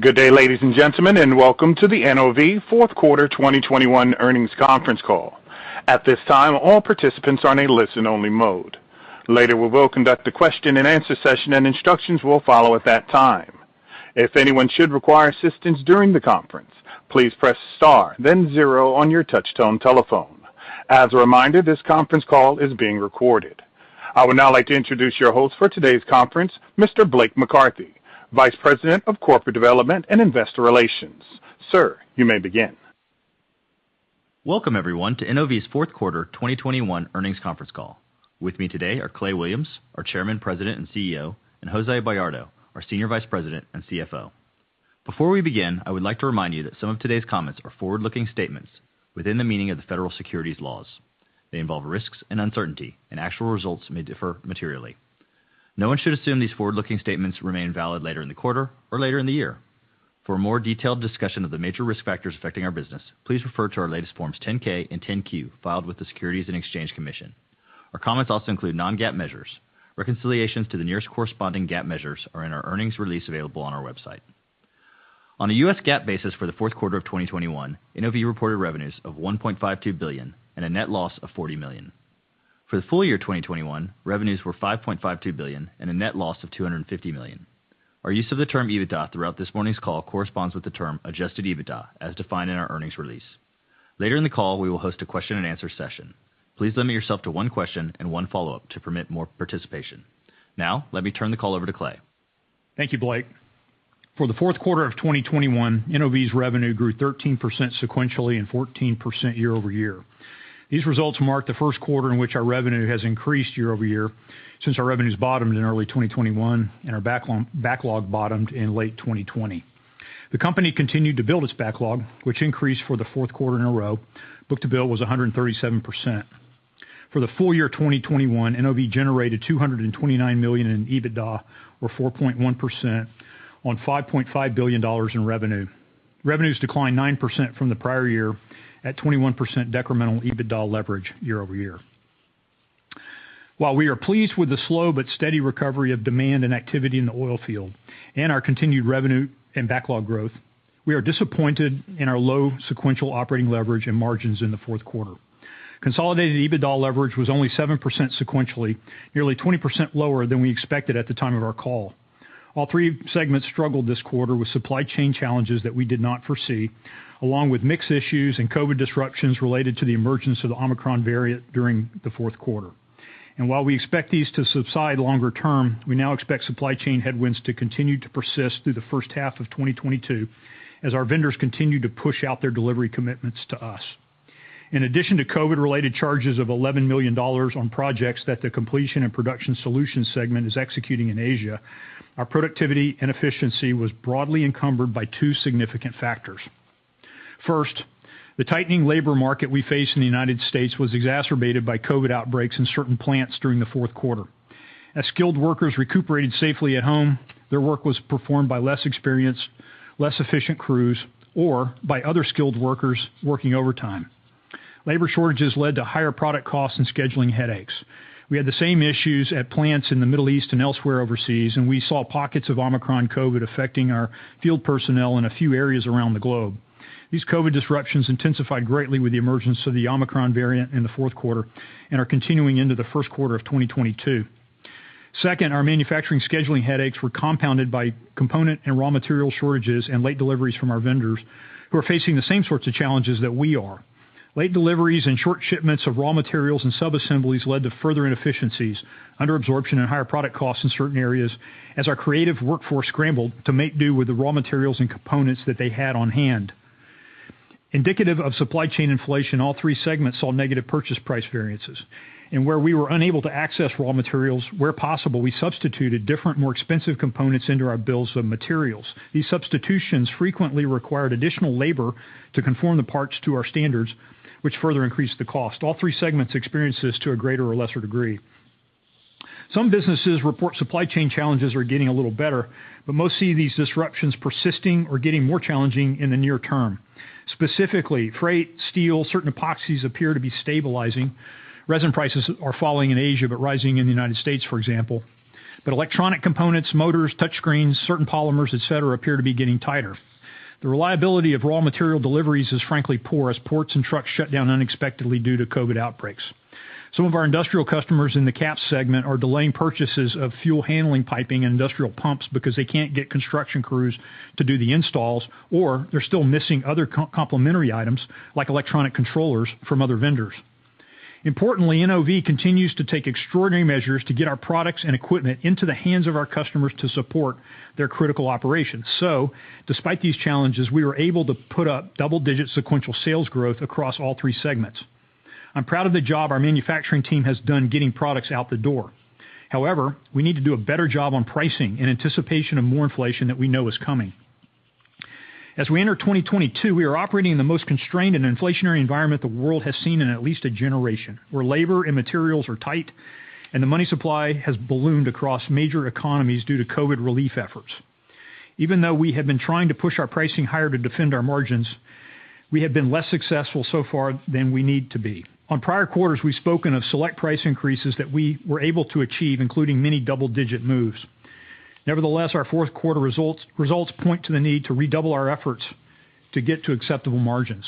Good day, ladies and gentlemen, and welcome to the NOV Q4 2021 earnings conference call. At this time, all participants are in a listen-only mode. Later, we will conduct a question-and-answer session, and instructions will follow at that time. If anyone should require assistance during the conference, please press star, then zero on your touchtone telephone. As a reminder, this conference call is being recorded. I would now like to introduce your host for today's conference, Mr. Blake McCarthy, Vice President of Corporate Development and Investor Relations. Sir, you may begin. Welcome, everyone, to NOV's Q4 2021 earnings conference call. With me today are Clay Williams, our Chairman, President, and CEO, and Jose Bayardo, our Senior Vice President and CFO. Before we begin, I would like to remind you that some of today's comments are forward-looking statements within the meaning of the federal securities laws. They involve risks and uncertainty, and actual results may differ materially. No one should assume these forward-looking statements remain valid later in the quarter or later in the year. For a more detailed discussion of the major risk factors affecting our business, please refer to our latest Forms 10-K and 10-Q filed with the Securities and Exchange Commission. Our comments also include non-GAAP measures. Reconciliations to the nearest corresponding GAAP measures are in our earnings release available on our website. On a U.S. GAAP basis for the Q4 of 2021, NOV reported revenues of $1.52 billion and a net loss of $40 million. For the full year 2021, revenues were $5.52 billion and a net loss of $250 million. Our use of the term EBITDA throughout this morning's call corresponds with the term adjusted EBITDA as defined in our earnings release. Later in the call, we will host a question-and-answer session. Please limit yourself to one question and one follow-up to permit more participation. Now, let me turn the call over to Clay. Thank you, Blake. For the Q4 of 2021, NOV's revenue grew 13% sequentially and 14% year over year. These results mark the Q1 in which our revenue has increased year over year since our revenues bottomed in early 2021 and our backlog bottomed in late 2020. The company continued to build its backlog, which increased for the Q4 in a row. Book-to-bill was 137%. For the full year 2021, NOV generated $229 million in EBITDA or 4.1% on $5.5 billion in revenue. Revenues declined 9% from the prior year at 21% decremental EBITDA leverage year-over-year. While we are pleased with the slow but steady recovery of demand and activity in the oil field and our continued revenue and backlog growth, we are disappointed in our low sequential operating leverage and margins in the Q4. Consolidated EBITDA leverage was only 7% sequentially, nearly 20% lower than we expected at the time of our call. All three segments struggled this quarter with supply chain challenges that we did not foresee, along with mix issues and COVID disruptions related to the emergence of the Omicron variant during the Q4. While we expect these to subside longer term, we now expect supply chain headwinds to continue to persist through the first half of 2022 as our vendors continue to push out their delivery commitments to us. In addition to COVID-related charges of $11 million on projects that the Completion & Production Solutions segment is executing in Asia, our productivity and efficiency was broadly encumbered by two significant factors. First, the tightening labor market we face in the United States was exacerbated by COVID outbreaks in certain plants during the Q4. As skilled workers recuperated safely at home, their work was performed by less experienced, less efficient crews or by other skilled workers working overtime. Labor shortages led to higher product costs and scheduling headaches. We had the same issues at plants in the Middle East and elsewhere overseas, and we saw pockets of Omicron COVID affecting our field personnel in a few areas around the globe. These COVID disruptions intensified greatly with the emergence of the Omicron variant in the Q4 and are continuing into the Q1 of 2022. Second, our manufacturing scheduling headaches were compounded by component and raw material shortages and late deliveries from our vendors who are facing the same sorts of challenges that we are. Late deliveries and short shipments of raw materials and subassemblies led to further inefficiencies, under-absorption and higher product costs in certain areas as our creative workforce scrambled to make do with the raw materials and components that they had on hand. Indicative of supply chain inflation, all three segments saw negative purchase price variances. Where we were unable to access raw materials, where possible, we substituted different, more expensive components into our bills of materials. These substitutions frequently required additional labor to conform the parts to our standards, which further increased the cost. All three segments experienced this to a greater or lesser degree. Some businesses report supply chain challenges are getting a little better, but most see these disruptions persisting or getting more challenging in the near term. Specifically, freight, steel, certain epoxies appear to be stabilizing. Resin prices are falling in Asia but rising in the United States, for example. Electronic components, motors, touchscreens, certain polymers, et cetera, appear to be getting tighter. The reliability of raw material deliveries is frankly poor as ports and trucks shut down unexpectedly due to COVID outbreaks. Some of our industrial customers in the CAP segment are delaying purchases of fuel handling piping and industrial pumps because they can't get construction crews to do the installs, or they're still missing other complementary items like electronic controllers from other vendors. Importantly, NOV continues to take extraordinary measures to get our products and equipment into the hands of our customers to support their critical operations. Despite these challenges, we were able to put up double-digit sequential sales growth across all three segments. I'm proud of the job our manufacturing team has done getting products out the door. However, we need to do a better job on pricing in anticipation of more inflation that we know is coming. As we enter 2022, we are operating in the most constrained and inflationary environment the world has seen in at least a generation, where labor and materials are tight and the money supply has ballooned across major economies due to COVID relief efforts. Even though we have been trying to push our pricing higher to defend our margins, we have been less successful so far than we need to be. On prior quarters, we've spoken of select price increases that we were able to achieve, including many double-digit moves. Nevertheless, our Q4 results point to the need to redouble our efforts to get to acceptable margins.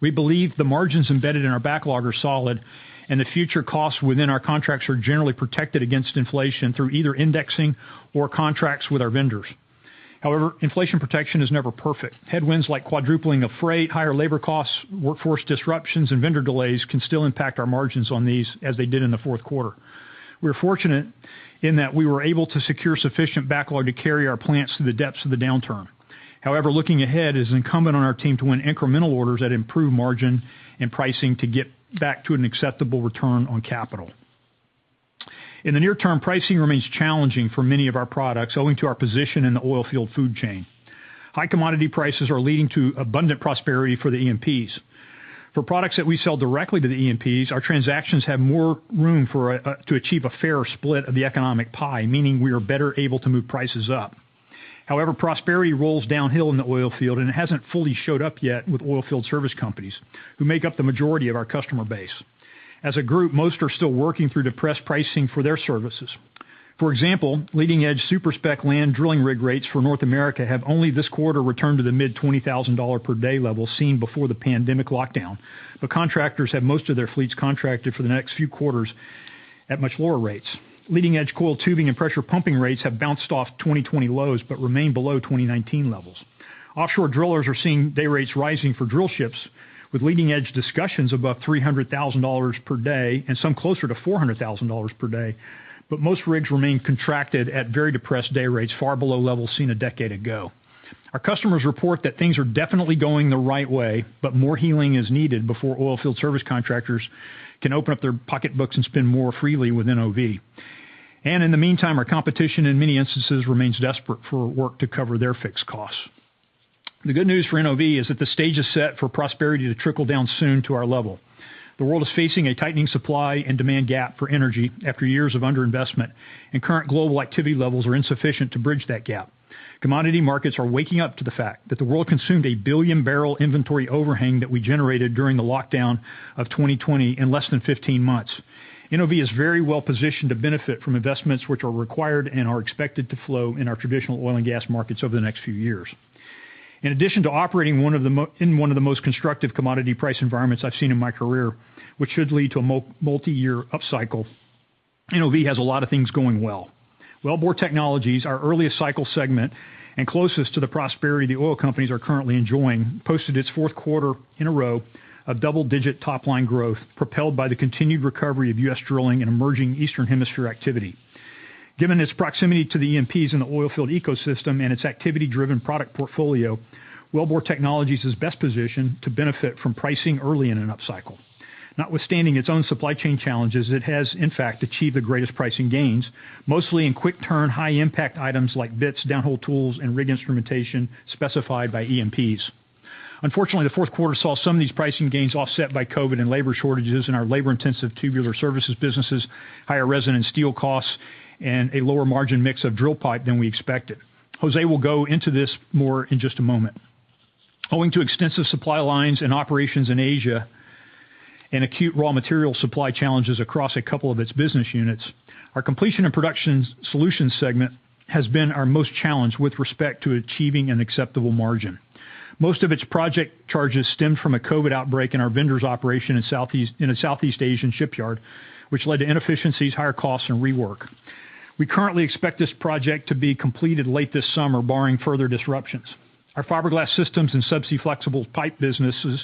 We believe the margins embedded in our backlog are solid and the future costs within our contracts are generally protected against inflation through either indexing or contracts with our vendors. However, inflation protection is never perfect. Headwinds like quadrupling of freight, higher labor costs, workforce disruptions, and vendor delays can still impact our margins on these as they did in the Q4. We're fortunate in that we were able to secure sufficient backlog to carry our plants through the depths of the downturn. However, looking ahead, it is incumbent on our team to win incremental orders that improve margin and pricing to get back to an acceptable return on capital. In the near term, pricing remains challenging for many of our products, owing to our position in the oilfield food chain. High commodity prices are leading to abundant prosperity for the E&Ps. For products that we sell directly to the E&Ps, our transactions have more room to achieve a fair split of the economic pie, meaning we are better able to move prices up. However, prosperity rolls downhill in the oilfield, and it hasn't fully showed up yet with oilfield service companies who make up the majority of our customer base. As a group, most are still working through depressed pricing for their services. For example, leading-edge super-spec land drilling rig rates for North America have only this quarter returned to the mid-$20,000 per day level seen before the pandemic lockdown, but contractors have most of their fleets contracted for the next few quarters at much lower rates. Leading-edge coiled tubing and pressure pumping rates have bounced off 2020 lows but remain below 2019 levels. Offshore drillers are seeing day rates rising for drill ships, with leading-edge discussions above $300,000 per day and some closer to $400,000 per day. Most rigs remain contracted at very depressed day rates, far below levels seen a decade ago. Our customers report that things are definitely going the right way, but more healing is needed before oilfield service contractors can open up their pocketbooks and spend more freely with NOV. In the meantime, our competition, in many instances, remains desperate for work to cover their fixed costs. The good news for NOV is that the stage is set for prosperity to trickle down soon to our level. The world is facing a tightening supply and demand gap for energy after years of underinvestment, and current global activity levels are insufficient to bridge that gap. Commodity markets are waking up to the fact that the world consumed a 1 billion barrel inventory overhang that we generated during the lockdown of 2020 in less than 15 months. NOV is very well positioned to benefit from investments which are required and are expected to flow in our traditional oil and gas markets over the next few years. In addition to operating in one of the most constructive commodity price environments I've seen in my career, which should lead to a multiyear upcycle, NOV has a lot of things going well. Wellbore Technologies, our earliest cycle segment and closest to the prosperity the oil companies are currently enjoying, posted its Q4 in a row of double-digit top-line growth, propelled by the continued recovery of U.S. drilling and emerging Eastern Hemisphere activity. Given its proximity to the E&Ps in the oilfield ecosystem and its activity-driven product portfolio, Wellbore Technologies is best positioned to benefit from pricing early in an upcycle. Notwithstanding its own supply chain challenges, it has in fact achieved the greatest pricing gains, mostly in quick-turn, high-impact items like bits, downhole tools, and rig instrumentation specified by E&Ps. Unfortunately, the Q4 saw some of these pricing gains offset by COVID and labor shortages in our labor-intensive tubular services businesses, higher resin and steel costs, and a lower margin mix of drill pipe than we expected. Jose will go into this more in just a moment. Owing to extensive supply lines and operations in Asia and acute raw material supply challenges across a couple of its business units, our Completion and Production Solutions segment has been our most challenged with respect to achieving an acceptable margin. Most of its project charges stemmed from a COVID outbreak in our vendors' operation in a Southeast Asian shipyard, which led to inefficiencies, higher costs, and rework. We currently expect this project to be completed late this summer, barring further disruptions. Our Fiber Glass Systems and subsea flexible pipe businesses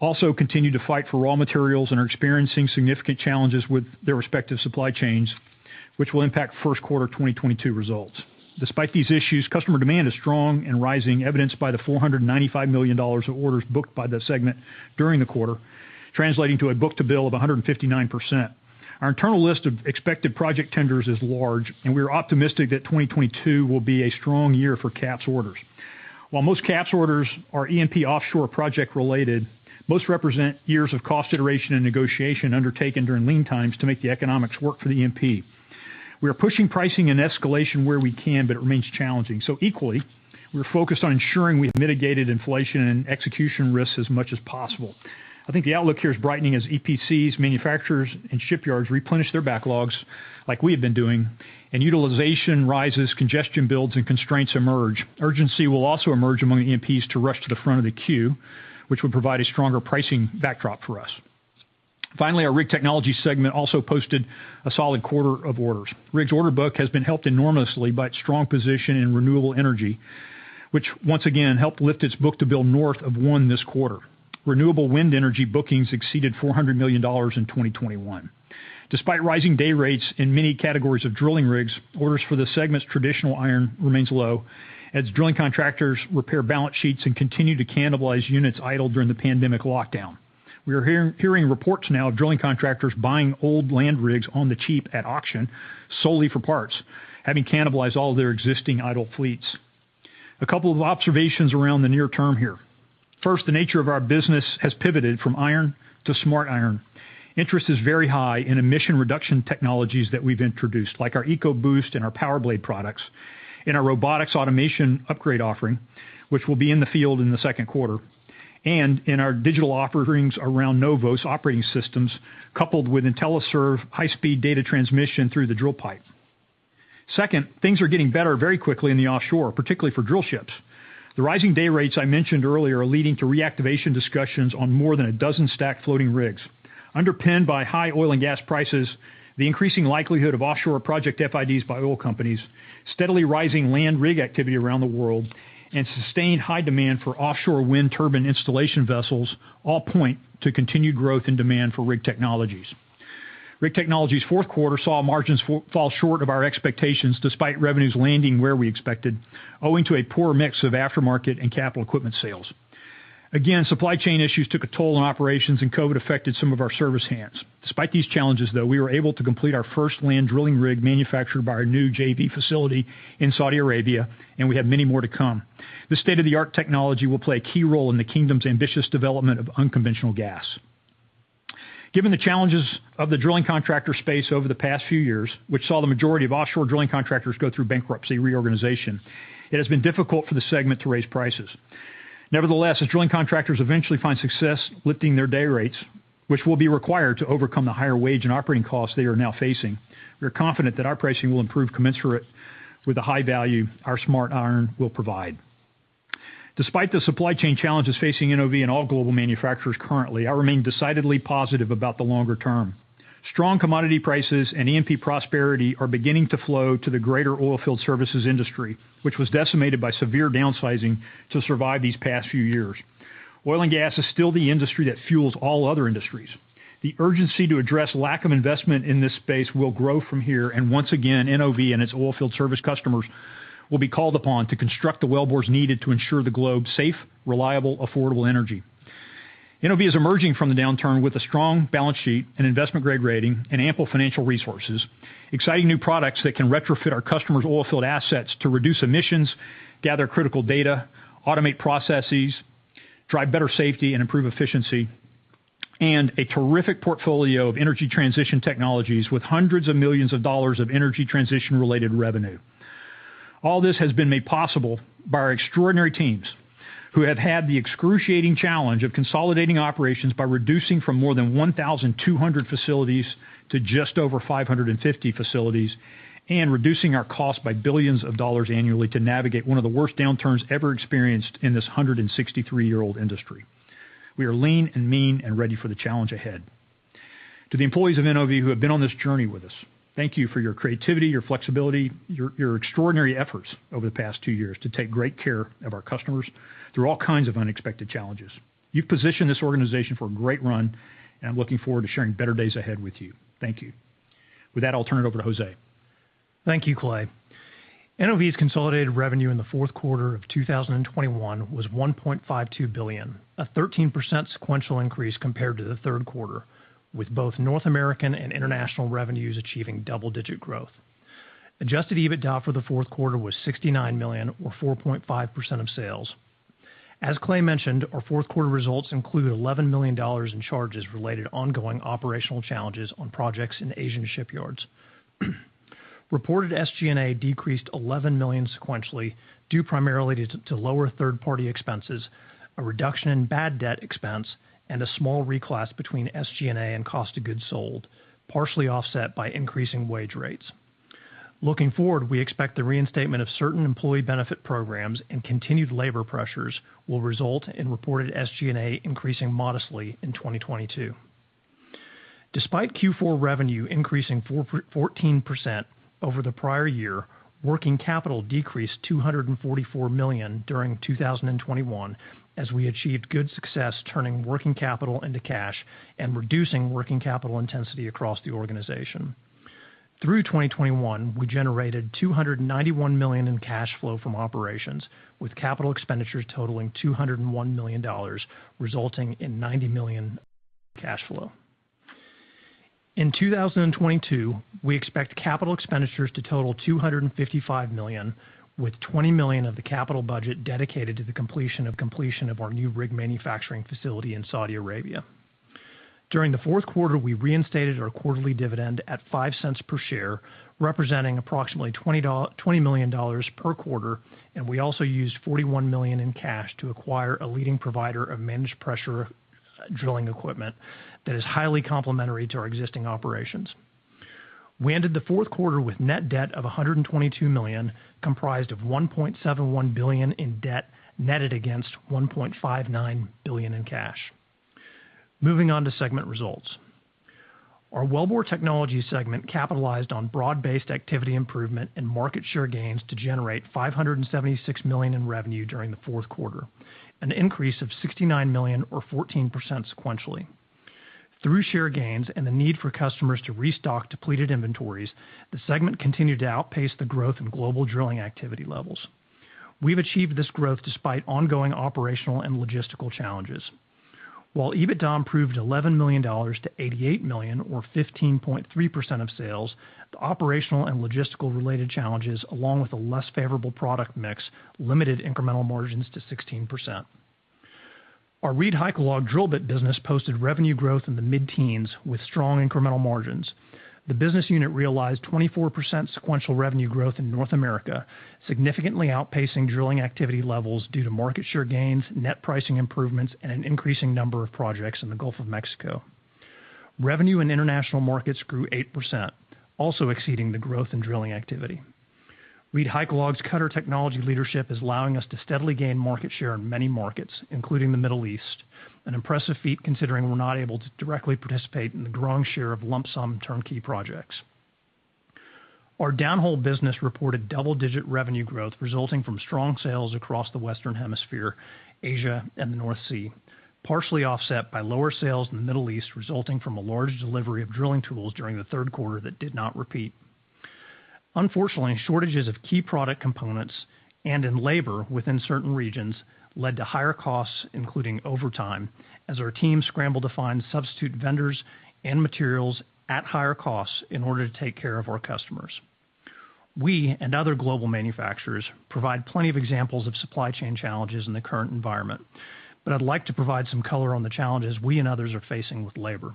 also continue to fight for raw materials and are experiencing significant challenges with their respective supply chains, which will impact Q1 2022 results. Despite these issues, customer demand is strong and rising, evidenced by the $495 million of orders booked by the segment during the quarter, translating to a book-to-bill of 159%. Our internal list of expected project tenders is large, and we are optimistic that 2022 will be a strong year for CAPS orders. While most CAPS orders are E&P offshore project-related, most represent years of cost iteration and negotiation undertaken during lean times to make the economics work for the E&P. We are pushing pricing and escalation where we can, but it remains challenging. Equally, we're focused on ensuring we have mitigated inflation and execution risks as much as possible. I think the outlook here is brightening as EPCs, manufacturers, and shipyards replenish their backlogs like we have been doing and utilization rises, congestion builds, and constraints emerge. Urgency will also emerge among the E&Ps to rush to the front of the queue, which would provide a stronger pricing backdrop for us. Finally, our Rig Technologies segment also posted a solid quarter of orders. Rig's order book has been helped enormously by its strong position in renewable energy, which once again helped lift its book-to-bill north of one this quarter. Renewable wind energy bookings exceeded $400 million in 2021. Despite rising day rates in many categories of drilling rigs, orders for the segment's traditional iron remains low as drilling contractors repair balance sheets and continue to cannibalize units idled during the pandemic lockdown. We are hearing reports now of drilling contractors buying old land rigs on the cheap at auction solely for parts, having cannibalized all their existing idle fleets. A couple of observations around the near term here. First, the nature of our business has pivoted from iron to smart iron. Interest is very high in emission reduction technologies that we've introduced, like our EcoBoost and our PowerBlade products, and our robotics automation upgrade offering, which will be in the field in the Q2. In our digital offerings around NOVOS operating systems, coupled with IntelliServ high-speed data transmission through the drill pipe. Second, things are getting better very quickly in the offshore, particularly for drill ships. The rising day rates I mentioned earlier are leading to reactivation discussions on more than a dozen stacked floating rigs. Underpinned by high oil and gas prices, the increasing likelihood of offshore project FIDs by oil companies, steadily rising land rig activity around the world, and sustained high demand for offshore wind turbine installation vessels all point to continued growth in demand for Rig Technologies. Rig Technologies' Q4 saw margins fall short of our expectations despite revenues landing where we expected, owing to a poor mix of aftermarket and capital equipment sales. Again, supply chain issues took a toll on operations, and COVID affected some of our service hands. Despite these challenges, though, we were able to complete our first land drilling rig manufactured by our new JV facility in Saudi Arabia, and we have many more to come. This state-of-the-art technology will play a key role in the kingdom's ambitious development of unconventional gas. Given the challenges of the drilling contractor space over the past few years, which saw the majority of offshore drilling contractors go through bankruptcy reorganization, it has been difficult for the segment to raise prices. Nevertheless, as drilling contractors eventually find success lifting their day rates, which will be required to overcome the higher wage and operating costs they are now facing, we are confident that our pricing will improve commensurate with the high value our smart iron will provide. Despite the supply chain challenges facing NOV and all global manufacturers currently, I remain decidedly positive about the longer term. Strong commodity prices and E&P prosperity are beginning to flow to the greater oilfield services industry, which was decimated by severe downsizing to survive these past few years. Oil and gas is still the industry that fuels all other industries. The urgency to address lack of investment in this space will grow from here, and once again, NOV and its oilfield service customers will be called upon to construct the wellbores needed to ensure the globe safe, reliable, affordable energy. NOV is emerging from the downturn with a strong balance sheet, an investment-grade rating, and ample financial resources, exciting new products that can retrofit our customers' oilfield assets to reduce emissions, gather critical data, automate processes, drive better safety, and improve efficiency, and a terrific portfolio of energy transition technologies with $hundreds of millions of energy transition-related revenue. All this has been made possible by our extraordinary teams, who have had the excruciating challenge of consolidating operations by reducing from more than 1,200 facilities to just over 550 facilities, and reducing our costs by $ billions annually to navigate one of the worst downturns ever experienced in this 163-year-old industry. We are lean and mean and ready for the challenge ahead. To the employees of NOV who have been on this journey with us, thank you for your creativity, your flexibility, your extraordinary efforts over the past two years to take great care of our customers through all kinds of unexpected challenges. You've positioned this organization for a great run, and I'm looking forward to sharing better days ahead with you. Thank you. With that, I'll turn it over to Jose. Thank you, Clay. NOV's consolidated revenue in the Q4 of 2021 was $1.52 billion, a 13% sequential increase compared to the Q3, with both North American and international revenues achieving double-digit growth. Adjusted EBITDA for the Q4 was $69 million, or 4.5% of sales. As Clay mentioned, our Q4 results included $11 million in charges related to ongoing operational challenges on projects in Asian shipyards. Reported SG&A decreased $11 million sequentially, due primarily to lower third-party expenses, a reduction in bad debt expense, and a small reclass between SG&A and cost of goods sold, partially offset by increasing wage rates. Looking forward, we expect the reinstatement of certain employee benefit programs and continued labor pressures will result in reported SG&A increasing modestly in 2022. Despite Q4 revenue increasing 14% over the prior year, working capital decreased $244 million during 2021 as we achieved good success turning working capital into cash and reducing working capital intensity across the organization. Through 2021, we generated $291 million in cash flow from operations, with capital expenditures totaling $201 million, resulting in $90 million cash flow. In 2022, we expect capital expenditures to total $255 million, with $20 million of the capital budget dedicated to the completion of our new rig manufacturing facility in Saudi Arabia. During the Q4, we reinstated our quarterly dividend at $0.05 per share, representing approximately $20 million per quarter, and we also used $41 million in cash to acquire a leading provider of Managed Pressure Drilling equipment that is highly complementary to our existing operations. We ended the Q4 with net debt of $122 million, comprised of $1.71 billion in debt netted against $1.59 billion in cash. Moving on to segment results. Our Wellbore Technologies segment capitalized on broad-based activity improvement and market share gains to generate $576 million in revenue during the Q4, an increase of $69 million or 14% sequentially. Through share gains and the need for customers to restock depleted inventories, the segment continued to outpace the growth in global drilling activity levels. We've achieved this growth despite ongoing operational and logistical challenges. While EBITDA improved $11 million to $88 million, or 15.3% of sales, the operational and logistical related challenges, along with a less favorable product mix, limited incremental margins to 16%. Our ReedHycalog drill bit business posted revenue growth in the mid-teens with strong incremental margins. The business unit realized 24% sequential revenue growth in North America, significantly outpacing drilling activity levels due to market share gains, net pricing improvements, and an increasing number of projects in the Gulf of Mexico. Revenue in international markets grew 8%, also exceeding the growth in drilling activity. ReedHycalog's cutter technology leadership is allowing us to steadily gain market share in many markets, including the Middle East, an impressive feat considering we're not able to directly participate in the growing share of lump sum turnkey projects. Our downhole business reported double-digit revenue growth resulting from strong sales across the Western Hemisphere, Asia, and the North Sea, partially offset by lower sales in the Middle East, resulting from a large delivery of drilling tools during the Q3 that did not repeat. Unfortunately, shortages of key product components and in labor within certain regions led to higher costs, including overtime, as our teams scrambled to find substitute vendors and materials at higher costs in order to take care of our customers. We and other global manufacturers provide plenty of examples of supply chain challenges in the current environment, but I'd like to provide some color on the challenges we and others are facing with labor.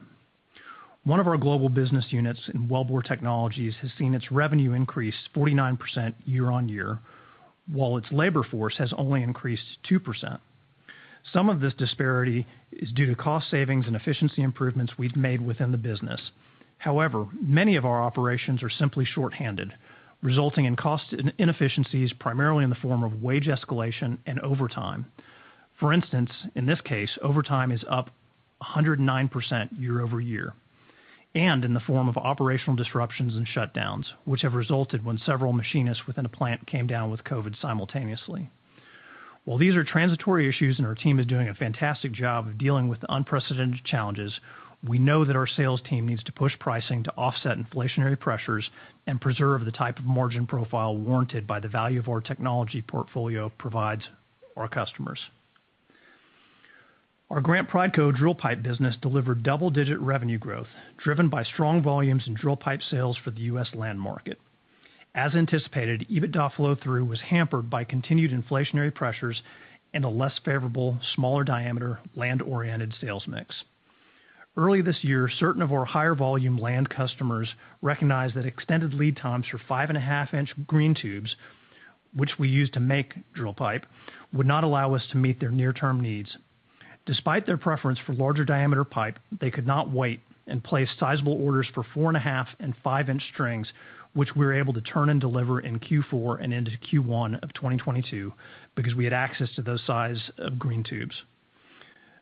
One of our global business units in Wellbore Technologies has seen its revenue increase 49% year-on-year, while its labor force has only increased 2%. Some of this disparity is due to cost savings and efficiency improvements we've made within the business. However, many of our operations are simply shorthanded, resulting in cost in-inefficiencies, primarily in the form of wage escalation and overtime. For instance, in this case, overtime is up 109% year-over-year, and in the form of operational disruptions and shutdowns, which have resulted when several machinists within a plant came down with COVID simultaneously. While these are transitory issues and our team is doing a fantastic job of dealing with unprecedented challenges, we know that our sales team needs to push pricing to offset inflationary pressures and preserve the type of margin profile warranted by the value of our technology portfolio provides our customers. Our Grant Prideco drill pipe business delivered double-digit revenue growth, driven by strong volumes in drill pipe sales for the U.S. land market. As anticipated, EBITDA flow-through was hampered by continued inflationary pressures and a less favorable, smaller diameter land-oriented sales mix. Early this year, certain of our higher volume land customers recognized that extended lead times for 5.5-inch green tubes, which we use to make drill pipe, would not allow us to meet their near-term needs. Despite their preference for larger diameter pipe, they could not wait and place sizable orders for 4.5- and 5-inch strings, which we were able to turn and deliver in Q4 and into Q1 of 2022 because we had access to those sizes of green tubes.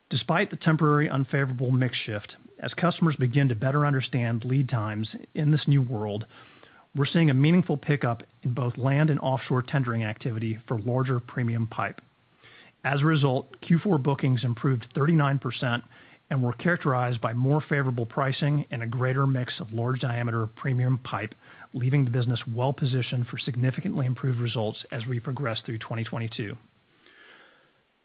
Despite the temporary unfavorable mix shift, as customers begin to better understand lead times in this new world, we're seeing a meaningful pickup in both land and offshore tendering activity for larger premium pipe. As a result, Q4 bookings improved 39% and were characterized by more favorable pricing and a greater mix of large diameter premium pipe, leaving the business well-positioned for significantly improved results as we progress through 2022.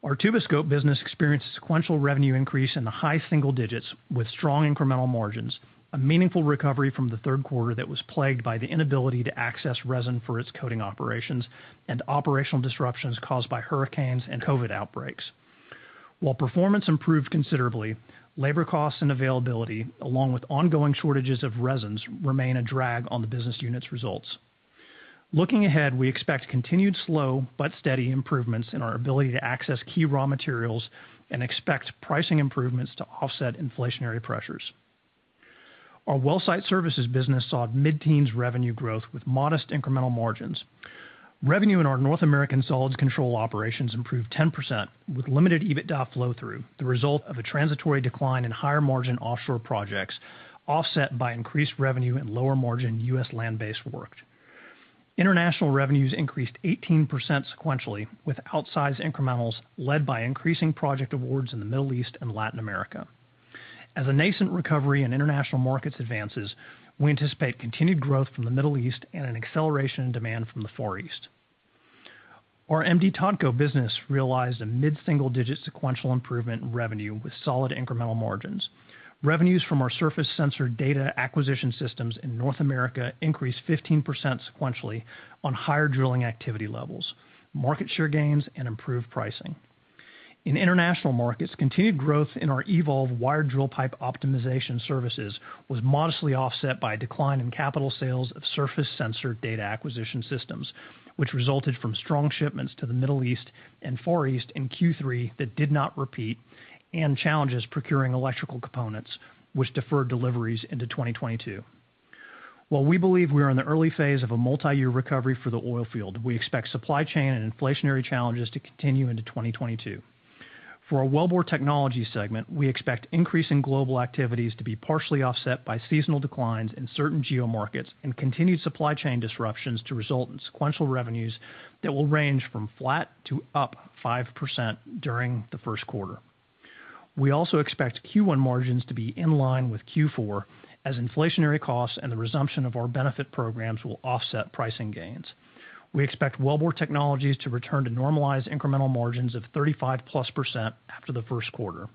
Our Tuboscope business experienced sequential revenue increase in the high single digits with strong incremental margins, a meaningful recovery from the Q3 that was plagued by the inability to access resin for its coating operations and operational disruptions caused by hurricanes and COVID outbreaks. While performance improved considerably, labor costs and availability, along with ongoing shortages of resins, remain a drag on the business unit's results. Looking ahead, we expect continued slow but steady improvements in our ability to access key raw materials and expect pricing improvements to offset inflationary pressures. Our WellSite Services business saw mid-teens revenue growth with modest incremental margins. Revenue in our North American solids control operations improved 10% with limited EBITDA flow-through, the result of a transitory decline in higher margin offshore projects, offset by increased revenue and lower margin U.S. land-based work. International revenues increased 18% sequentially with outsized incrementals led by increasing project awards in the Middle East and Latin America. As a nascent recovery in international markets advances, we anticipate continued growth from the Middle East and an acceleration in demand from the Far East. Our M/D Totco business realized a mid-single digit sequential improvement in revenue with solid incremental margins. Revenues from our surface sensor data acquisition systems in North America increased 15% sequentially on higher drilling activity levels, market share gains, and improved pricing. In international markets, continued growth in our eVolve wired drill pipe optimization services was modestly offset by a decline in capital sales of surface sensor data acquisition systems, which resulted from strong shipments to the Middle East and Far East in Q3 that did not repeat, and challenges procuring electrical components, which deferred deliveries into 2022. While we believe we are in the early phase of a multi-year recovery for the oil field, we expect supply chain and inflationary challenges to continue into 2022. For our Wellbore Technologies segment, we expect increasing global activities to be partially offset by seasonal declines in certain geo markets and continued supply chain disruptions to result in sequential revenues that will range from flat to up 5% during the Q1. We expect Q1 margins to be in line with Q4 as inflationary costs and the resumption of our benefit programs will offset pricing gains. We expect Wellbore Technologies to return to normalized incremental margins of 35%+ after the Q1.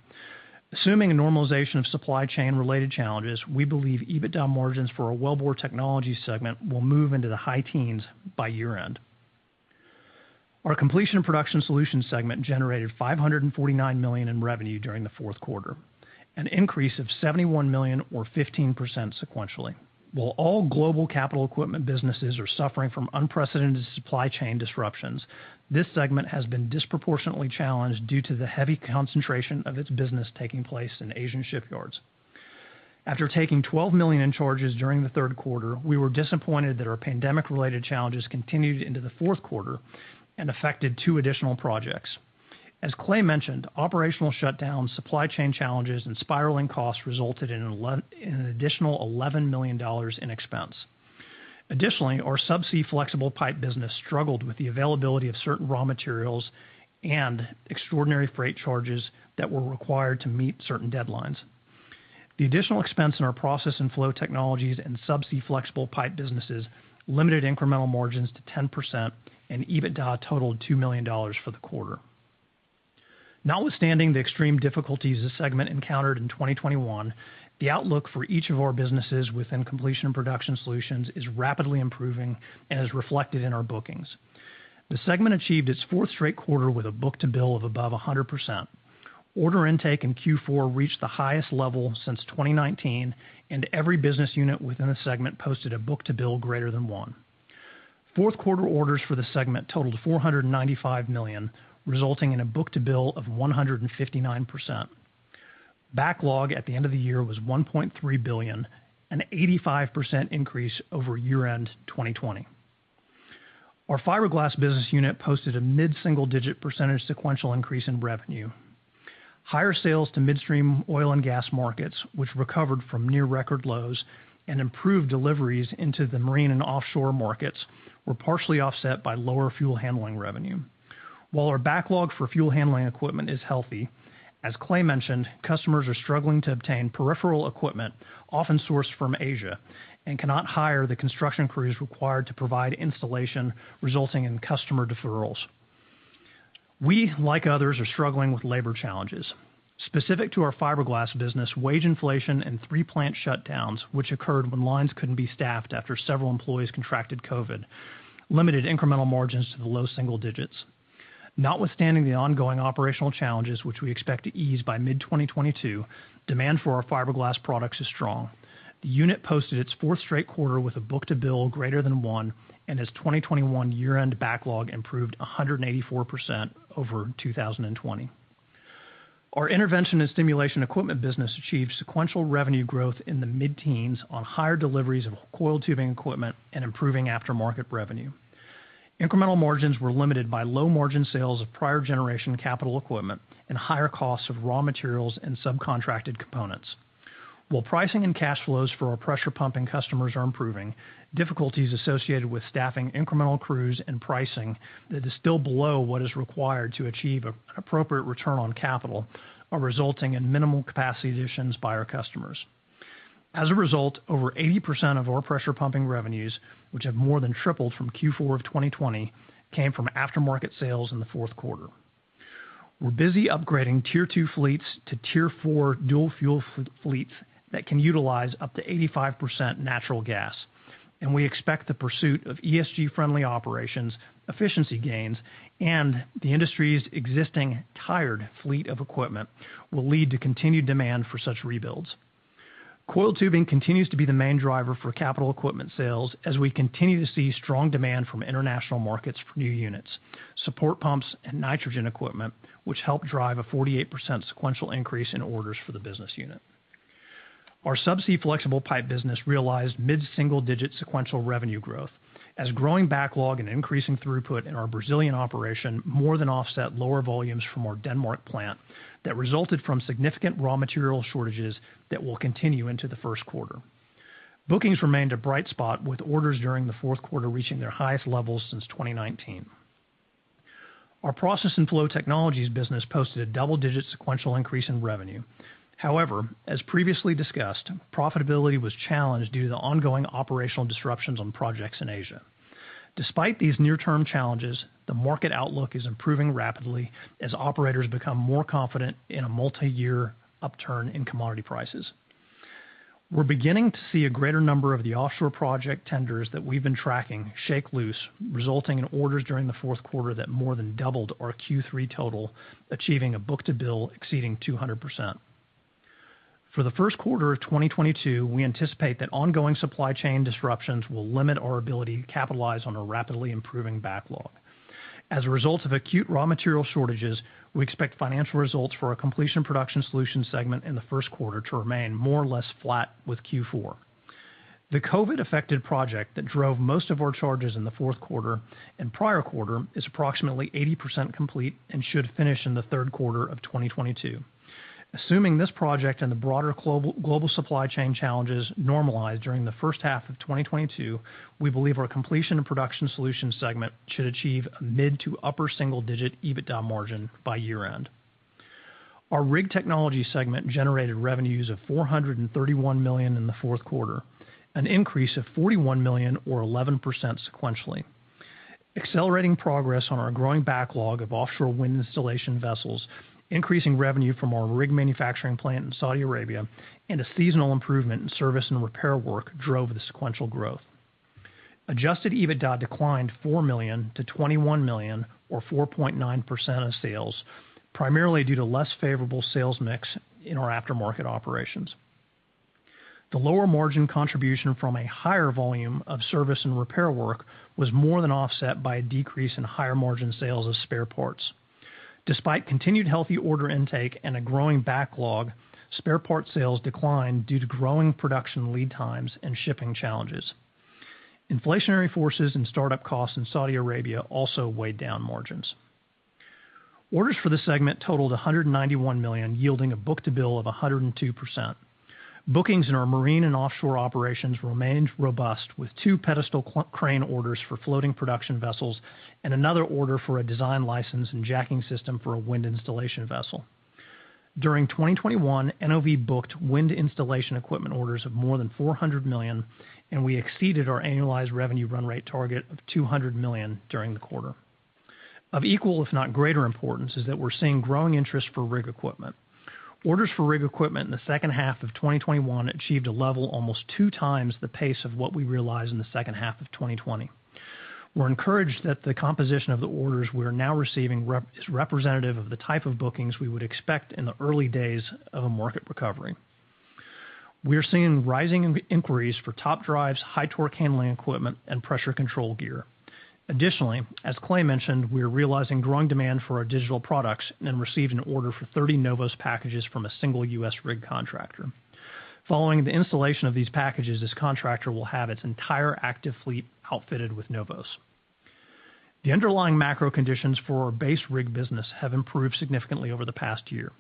Assuming a normalization of supply chain-related challenges, we believe EBITDA margins for our Wellbore Technologies segment will move into the high teens by year-end. Our Completion and Production Solutions segment generated $549 million in revenue during the Q4, an increase of $71 million or 15% sequentially. While all global capital equipment businesses are suffering from unprecedented supply chain disruptions, this segment has been disproportionately challenged due to the heavy concentration of its business taking place in Asian shipyards. After taking $12 million in charges during the Q3, we were disappointed that our pandemic-related challenges continued into the Q4 and affected two additional projects. As Clay mentioned, operational shutdowns, supply chain challenges, and spiraling costs resulted in an additional $11 million in expense. Additionally, our subsea flexible pipe business struggled with the availability of certain raw materials and extraordinary freight charges that were required to meet certain deadlines. The additional expense in our Process and Flow Technologies and subsea flexible pipe businesses limited incremental margins to 10% and EBITDA totaled $2 million for the quarter. Notwithstanding the extreme difficulties this segment encountered in 2021, the outlook for each of our businesses within Completion & Production Solutions is rapidly improving and is reflected in our bookings. The segment achieved its fourth straight quarter with a book-to-bill above 100%. Order intake in Q4 reached the highest level since 2019, and every business unit within a segment posted a book-to-bill greater than one. Q4 orders for the segment totaled $495 million, resulting in a book-to-bill of 159%. Backlog at the end of the year was $1.3 billion, an 85% increase over year-end 2020. Our fiberglass business unit posted a mid-single-digit percentage sequential increase in revenue. Higher sales to midstream oil and gas markets, which recovered from near record lows and improved deliveries into the marine and offshore markets, were partially offset by lower fuel handling revenue. While our backlog for fuel handling equipment is healthy, as Clay mentioned, customers are struggling to obtain peripheral equipment, often sourced from Asia, and cannot hire the construction crews required to provide installation, resulting in customer deferrals. We, like others, are struggling with labor challenges. Specific to our fiberglass business, wage inflation and three plant shutdowns, which occurred when lines couldn't be staffed after several employees contracted COVID, limited incremental margins to the low single digits. Notwithstanding the ongoing operational challenges, which we expect to ease by mid-2022, demand for our fiberglass products is strong. The unit posted its fourth straight quarter with a book-to-bill greater than one, and its 2021 year-end backlog improved 184% over 2020. Our Intervention and Stimulation Equipment business achieved sequential revenue growth in the mid-teens on higher deliveries of coiled tubing equipment and improving aftermarket revenue. Incremental margins were limited by low-margin sales of prior generation capital equipment and higher costs of raw materials and subcontracted components. While pricing and cash flows for our pressure pumping customers are improving, difficulties associated with staffing incremental crews and pricing that is still below what is required to achieve an appropriate return on capital are resulting in minimal capacity additions by our customers. As a result, over 80% of our pressure pumping revenues, which have more than tripled from Q4 of 2020, came from aftermarket sales in the Q4. We're busy upgrading Q2 fleets to Q4 dual fuel fleets that can utilize up to 85% natural gas, and we expect the pursuit of ESG-friendly operations, efficiency gains, and the industry's existing tired fleet of equipment will lead to continued demand for such rebuilds. Coiled tubing continues to be the main driver for capital equipment sales as we continue to see strong demand from international markets for new units, support pumps and nitrogen equipment, which help drive a 48% sequential increase in orders for the business unit. Our subsea flexible pipe business realized mid-single-digit sequential revenue growth as growing backlog and increasing throughput in our Brazilian operation more than offset lower volumes from our Denmark plant that resulted from significant raw material shortages that will continue into the Q1. Bookings remained a bright spot, with orders during the Q4 reaching their highest levels since 2019. Our Process and Flow Technologies business posted a double-digit sequential increase in revenue. However, as previously discussed, profitability was challenged due to the ongoing operational disruptions on projects in Asia. Despite these near-term challenges, the market outlook is improving rapidly as operators become more confident in a multiyear upturn in commodity prices. We're beginning to see a greater number of the offshore project tenders that we've been tracking shake loose, resulting in orders during the Q4 that more than doubled our Q3 total, achieving a book-to-bill exceeding 200%. For the Q1 of 2022, we anticipate that ongoing supply chain disruptions will limit our ability to capitalize on a rapidly improving backlog. As a result of acute raw material shortages, we expect financial results for our Completion and Production Solutions segment in the Q1 to remain more or less flat with Q4. The COVID-affected project that drove most of our charges in the fourth quarter and prior quarter is approximately 80% complete and should finish in the Q3 of 2022. Assuming this project and the broader global supply chain challenges normalize during the first half of 2022, we believe our Completion and Production Solutions segment should achieve a mid- to upper single-digit EBITDA margin by year-end. Our Rig Technologies segment generated revenues of $431 million in the Q4, an increase of $41 million or 11% sequentially. Accelerating progress on our growing backlog of offshore wind installation vessels, increasing revenue from our rig manufacturing plant in Saudi Arabia, and a seasonal improvement in service and repair work drove the sequential growth. Adjusted EBITDA declined $4 million to $21 million or 4.9% of sales, primarily due to less favorable sales mix in our aftermarket operations. The lower margin contribution from a higher volume of service and repair work was more than offset by a decrease in higher margin sales of spare parts. Despite continued healthy order intake and a growing backlog, spare parts sales declined due to growing production lead times and shipping challenges. Inflationary forces and startup costs in Saudi Arabia also weighed down margins. Orders for the segment totaled $191 million, yielding a book-to-bill of 102%. Bookings in our marine and offshore operations remained robust, with two pedestal crane orders for floating production vessels and another order for a design license and jacking system for a wind installation vessel. During 2021, NOV booked wind installation equipment orders of more than $400 million, and we exceeded our annualized revenue run rate target of $200 million during the quarter. Of equal, if not greater importance, is that we're seeing growing interest for rig equipment. Orders for rig equipment in the second half of 2021 achieved a level almost two times the pace of what we realized in the second half of 2020. We're encouraged that the composition of the orders we are now receiving is representative of the type of bookings we would expect in the early days of a market recovery. We are seeing rising inquiries for top drives, high torque handling equipment, and pressure control gear. Additionally, as Clay mentioned, we are realizing growing demand for our digital products and received an order for 30 NOVOS packages from a single U.S. rig contractor. Following the installation of these packages, this contractor will have its entire active fleet outfitted with NOVOS. The underlying macro conditions for our base rig business have improved significantly over the past year.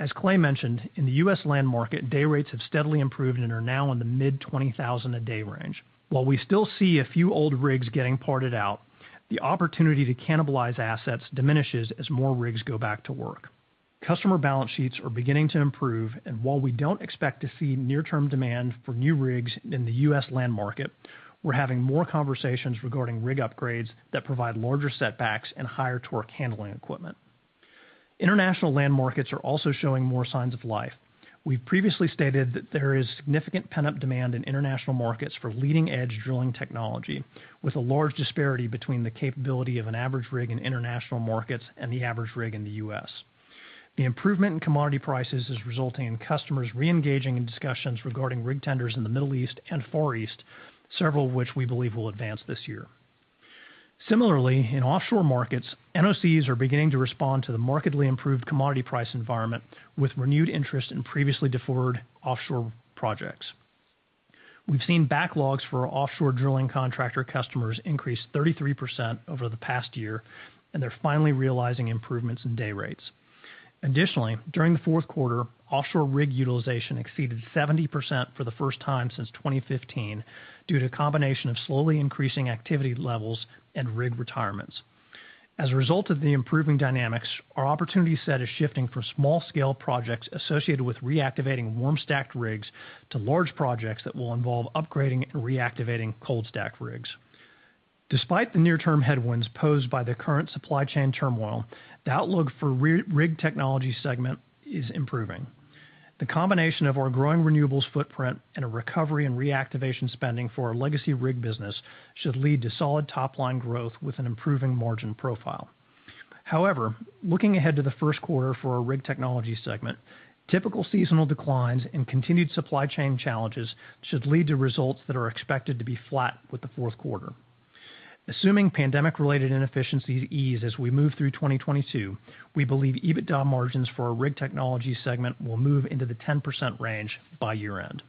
As Clay mentioned, in the U.S. land market, day rates have steadily improved and are now in the mid-$20,000-a-day range. While we still see a few old rigs getting parted out, the opportunity to cannibalize assets diminishes as more rigs go back to work. Customer balance sheets are beginning to improve, and while we don't expect to see near-term demand for new rigs in the U.S. land market, we're having more conversations regarding rig upgrades that provide larger setbacks and higher torque handling equipment. International land markets are also showing more signs of life. We've previously stated that there is significant pent-up demand in international markets for leading-edge drilling technology, with a large disparity between the capability of an average rig in international markets and the average rig in the U.S. The improvement in commodity prices is resulting in customers reengaging in discussions regarding rig tenders in the Middle East and Far East, several of which we believe will advance this year. Similarly, in offshore markets, NOCs are beginning to respond to the markedly improved commodity price environment with renewed interest in previously deferred offshore projects. We've seen backlogs for our offshore drilling contractor customers increase 33% over the past year, and they're finally realizing improvements in day rates. Additionally, during the Q4, offshore rig utilization exceeded 70% for the first time since 2015 due to a combination of slowly increasing activity levels and rig retirements. As a result of the improving dynamics, our opportunity set is shifting from small scale projects associated with reactivating warm stacked rigs to large projects that will involve upgrading and reactivating cold stacked rigs. Despite the near-term headwinds posed by the current supply chain turmoil, the outlook for Rig Technologies segment is improving. The combination of our growing renewables footprint and a recovery in reactivation spending for our legacy rig business should lead to solid top-line growth with an improving margin profile. However, looking ahead to the Q1 for our Rig Technologies segment, typical seasonal declines and continued supply chain challenges should lead to results that are expected to be flat with the Q4. Assuming pandemic-related inefficiencies ease as we move through 2022, we believe EBITDA margins for our Rig Technologies segment will move into the 10% range by year-end.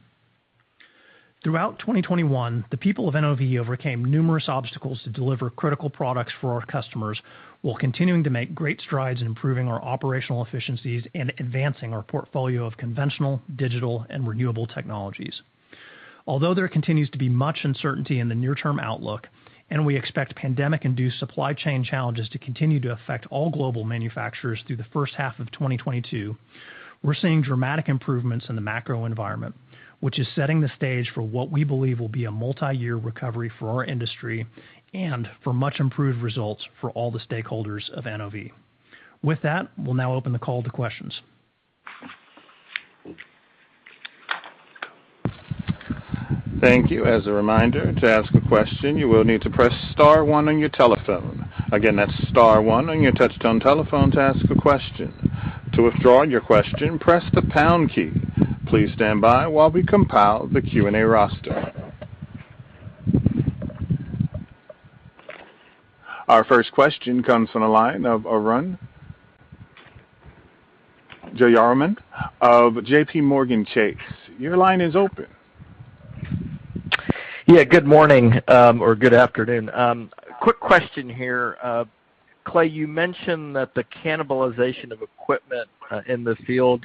Throughout 2021, the people of NOV overcame numerous obstacles to deliver critical products for our customers while continuing to make great strides in improving our operational efficiencies and advancing our portfolio of conventional, digital, and renewable technologies. Although there continues to be much uncertainty in the near-term outlook, and we expect pandemic-induced supply chain challenges to continue to affect all global manufacturers through the first half of 2022, we're seeing dramatic improvements in the macro environment, which is setting the stage for what we believe will be a multiyear recovery for our industry and for much improved results for all the stakeholders of NOV. With that, we'll now open the call to questions. Thank you. As a reminder, to ask a question, you will need to press star one on your telephone. Again, that's star one on your touch-tone telephone to ask a question. To withdraw your question, press the pound key. Please stand by while we compile the Q&A roster. Our first question comes from the line of Arun Jayaram of JPMorgan Securities. Your line is open. Yeah. Good morning or good afternoon. Quick question here. Clay, you mentioned that the cannibalization of equipment in the field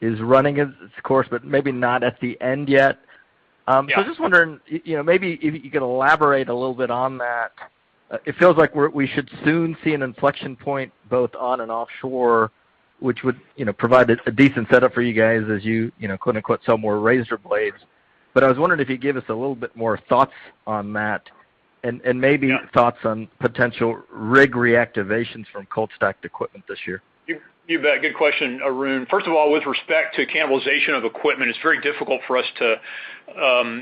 is running its course, but maybe not at the end yet. Yeah. I'm just wondering, you know, maybe if you could elaborate a little bit on that. It feels like we should soon see an inflection point both onshore and offshore, which would, you know, provide a decent setup for you guys as you know, quote, unquote, "sell more razor blades." I was wondering if you could give us a little bit more thoughts on that and maybe- Yeah. Thoughts on potential rig reactivations from cold stacked equipment this year? You bet. Good question, Arun. First of all, with respect to cannibalization of equipment, it's very difficult for us to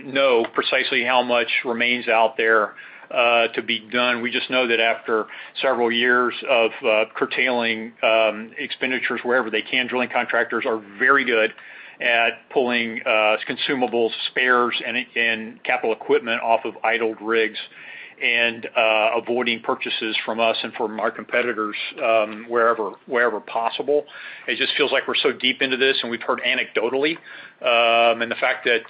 know precisely how much remains out there to be done. We just know that after several years of curtailing expenditures wherever they can, drilling contractors are very good They're pulling consumables, spares and capital equipment off of idled rigs and avoiding purchases from us and from our competitors wherever possible. It just feels like we're so deep into this, and we've heard anecdotally and the fact that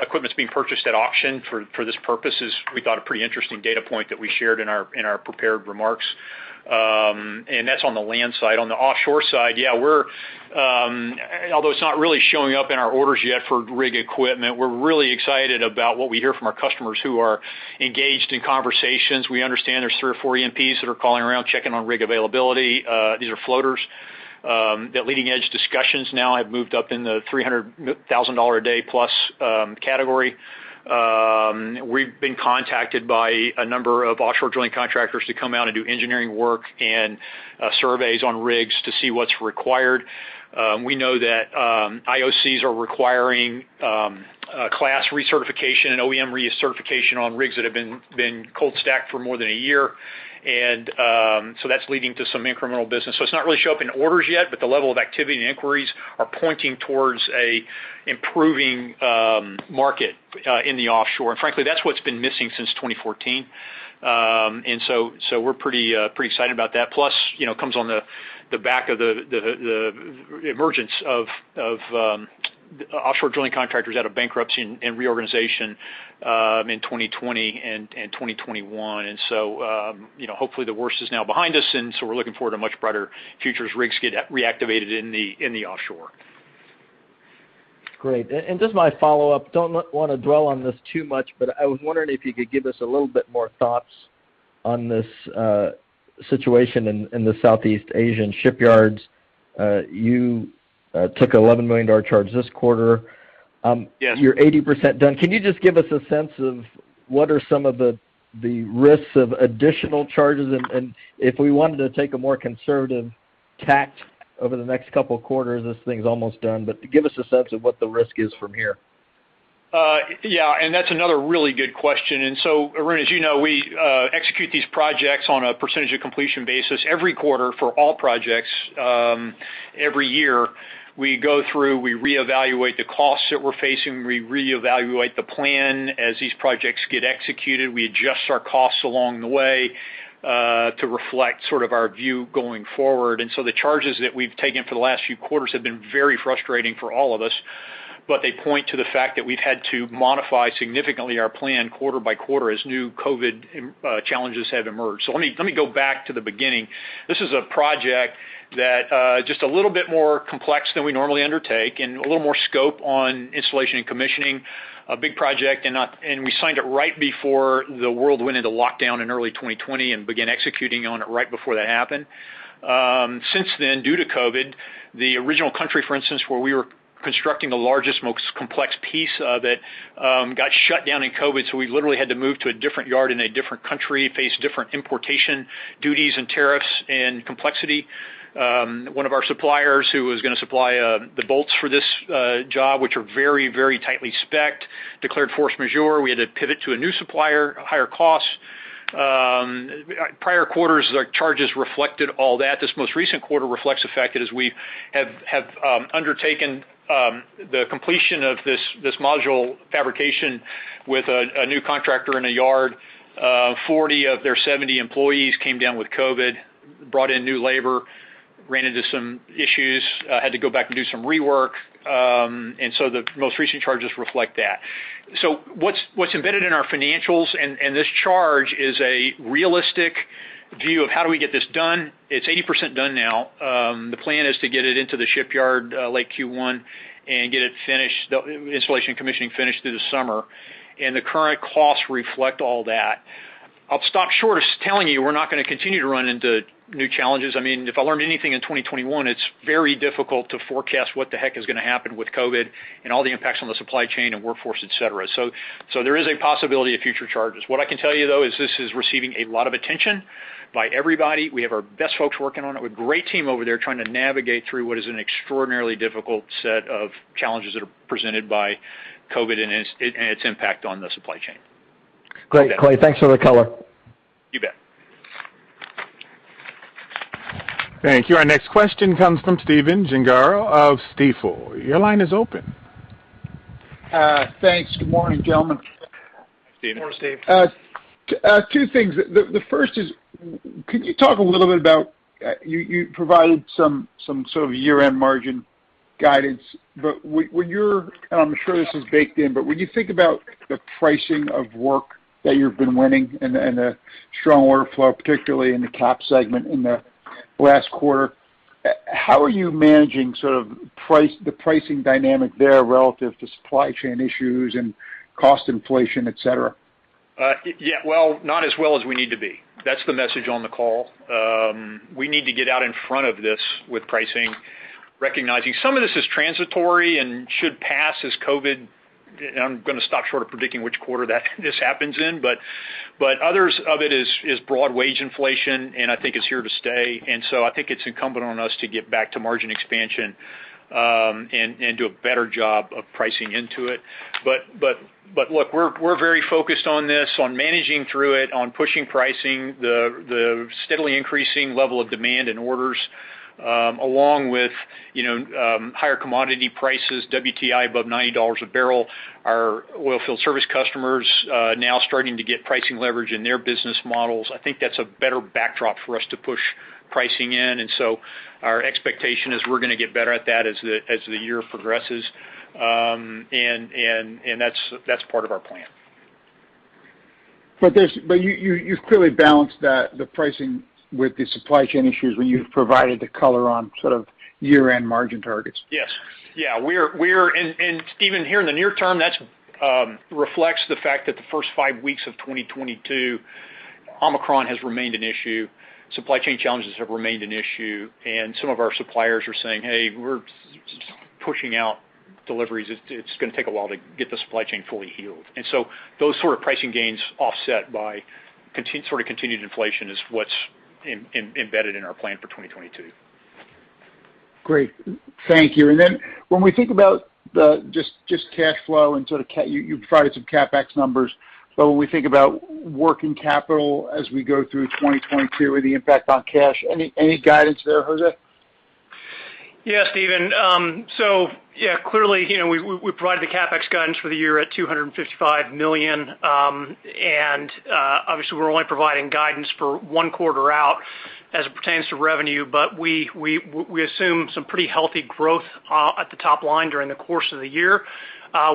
equipment's being purchased at auction for this purpose is, we thought, a pretty interesting data point that we shared in our prepared remarks. That's on the land side. On the offshore side, yeah, we're although it's not really showing up in our orders yet for rig equipment, we're really excited about what we hear from our customers who are engaged in conversations. We understand there's three or four E&Ps that are calling around checking on rig availability. These are floaters that leading edge discussions now have moved up in the $300,000 a day plus category. We've been contacted by a number of offshore joint contractors to come out and do engineering work and surveys on rigs to see what's required. We know that IOCs are requiring a class recertification and OEM recertification on rigs that have been cold stacked for more than a year. That's leading to some incremental business. It's not really showing up in orders yet, but the level of activity and inquiries are pointing toward an improving market in the offshore. Frankly, that's what's been missing since 2014. We're pretty excited about that. Plus, you know, comes on the back of the emergence of offshore joint contractors out of bankruptcy and reorganization in 2020 and 2021. You know, hopefully the worst is now behind us, and we're looking forward to much brighter futures, rigs get reactivated in the offshore. Great. Just my follow-up, I don't want to dwell on this too much, but I was wondering if you could give us a little bit more thoughts on this situation in the Southeast Asian shipyards. You took $11 million charge this quarter. Yes. You're 80% done. Can you just give us a sense of what are some of the risks of additional charges? If we wanted to take a more conservative tack over the next couple of quarters, this thing's almost done. Give us a sense of what the risk is from here. Yeah, that's another really good question. Arun, as you know, we execute these projects on a percentage of completion basis every quarter for all projects. Every year, we go through, we reevaluate the costs that we're facing, we reevaluate the plan. As these projects get executed, we adjust our costs along the way to reflect sort of our view going forward. The charges that we've taken for the last few quarters have been very frustrating for all of us. They point to the fact that we've had to modify significantly our plan quarter by quarter as new COVID challenges have emerged. Let me go back to the beginning. This is a project that just a little bit more complex than we normally undertake and a little more scope on installation and commissioning. A big project, and we signed it right before the world went into lockdown in early 2020 and began executing on it right before that happened. Since then, due to COVID, the original country, for instance, where we were constructing the largest, most complex piece of it, got shut down in COVID. We literally had to move to a different yard in a different country, face different importation duties and tariffs and complexity. One of our suppliers who was gonna supply the bolts for this job, which are very, very tightly spec-ed, declared force majeure. We had to pivot to a new supplier, a higher cost. Prior quarters, our charges reflected all that. This most recent quarter reflects the fact that as we have undertaken the completion of this module fabrication with a new contractor in a yard, 40 of their 70 employees came down with COVID, brought in new labor, ran into some issues, had to go back and do some rework. The most recent charges reflect that. What's embedded in our financials and this charge is a realistic view of how do we get this done. It's 80% done now. The plan is to get it into the shipyard, late Q1 and get it finished, the installation commissioning finished through the summer. The current costs reflect all that. I'll stop short of telling you we're not gonna continue to run into new challenges. I mean, if I learned anything in 2021, it's very difficult to forecast what the heck is gonna happen with COVID and all the impacts on the supply chain and workforce, et cetera. There is a possibility of future charges. What I can tell you, though, is this is receiving a lot of attention by everybody. We have our best folks working on it. We have a great team over there trying to navigate through what is an extraordinarily difficult set of challenges that are presented by COVID and its, and its impact on the supply chain. Great, Clay. Thanks for the color. You bet. Thank you. Our next question comes from Stephen Gengaro of Stifel. Your line is open. Thanks. Good morning, gentlemen. Stephen. Good morning, Steve. Two things. The first is, can you talk a little bit about you provided some sort of year-end margin guidance. When you're and I'm sure this is baked in, but when you think about the pricing of work that you've been winning and the strong order flow, particularly in the CAP segment in the last quarter, how are you managing the pricing dynamic there relative to supply chain issues and cost inflation, et cetera? Yeah. Well, not as well as we need to be. That's the message on the call. We need to get out in front of this with pricing, recognizing some of this is transitory and should pass as COVID. I'm gonna stop short of predicting which quarter that this happens in, but others of it is broad wage inflation, and I think it's here to stay. So I think it's incumbent on us to get back to margin expansion, and do a better job of pricing into it. But look, we're very focused on this, on managing through it, on pushing pricing, the steadily increasing level of demand and orders, along with you know higher commodity prices, WTI above $90 a barrel, our oilfield service customers now starting to get pricing leverage in their business models. I think that's a better backdrop for us to push pricing in. Our expectation is we're gonna get better at that as the year progresses. That's part of our plan. You've clearly balanced the pricing with the supply chain issues when you've provided the color on sort of year-end margin targets. Yes. Yeah. Stephen, here in the near term, that reflects the fact that the first five weeks of 2022, Omicron has remained an issue, supply chain challenges have remained an issue, and some of our suppliers are saying, "Hey, we're pushing out deliveries. It's gonna take a while to get the supply chain fully healed." Those sort of pricing gains offset by sort of continued inflation is what's embedded in our plan for 2022. Great. Thank you. Then when we think about just cash flow. You've provided some CapEx numbers, but when we think about working capital as we go through 2022 with the impact on cash, any guidance there, Jose? Yeah, Stephen. Yeah, clearly, you know, we provided the CapEx guidance for the year at $255 million. Obviously, we're only providing guidance for one quarter out as it pertains to revenue. We assume some pretty healthy growth at the top line during the course of the year,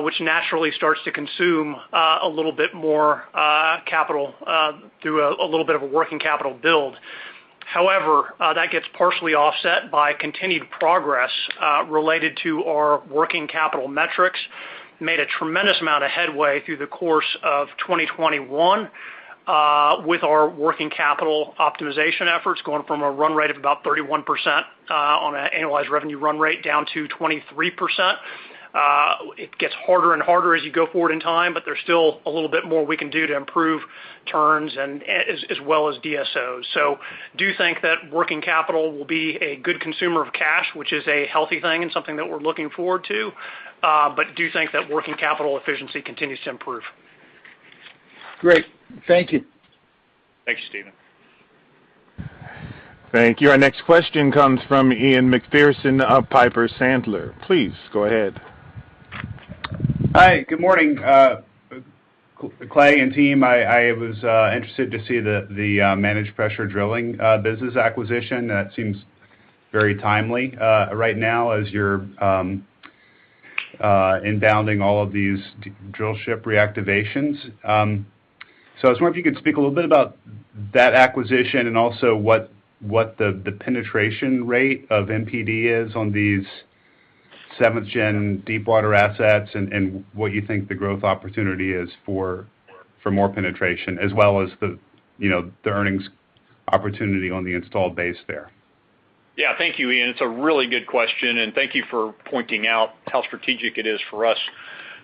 which naturally starts to consume a little bit more capital through a little bit of a working capital build. However, that gets partially offset by continued progress related to our working capital metrics. We made a tremendous amount of headway through the course of 2021 with our working capital optimization efforts going from a run rate of about 31% on an annualized revenue run rate down to 23%. It gets harder and harder as you go forward in time, but there's still a little bit more we can do to improve turns and as well as DSOs. Do think that working capital will be a good consumer of cash, which is a healthy thing and something that we're looking forward to. Do think that working capital efficiency continues to improve. Great. Thank you. Thanks, Stephen. Thank you. Our next question comes from Ian MacPherson of Piper Sandler. Please go ahead. Hi. Good morning, Clay and team. I was interested to see the Managed Pressure Drilling business acquisition. That seems very timely right now as you're inbounding all of these drill ship reactivations. I was wondering if you could speak a little bit about that acquisition and also what the penetration rate of MPD is on these seventh-gen deepwater assets, and what you think the growth opportunity is for more penetration, as well as you know the earnings opportunity on the installed base there. Yeah. Thank you, Ian McPherson. It's a really good question, and thank you for pointing out how strategic it is for us.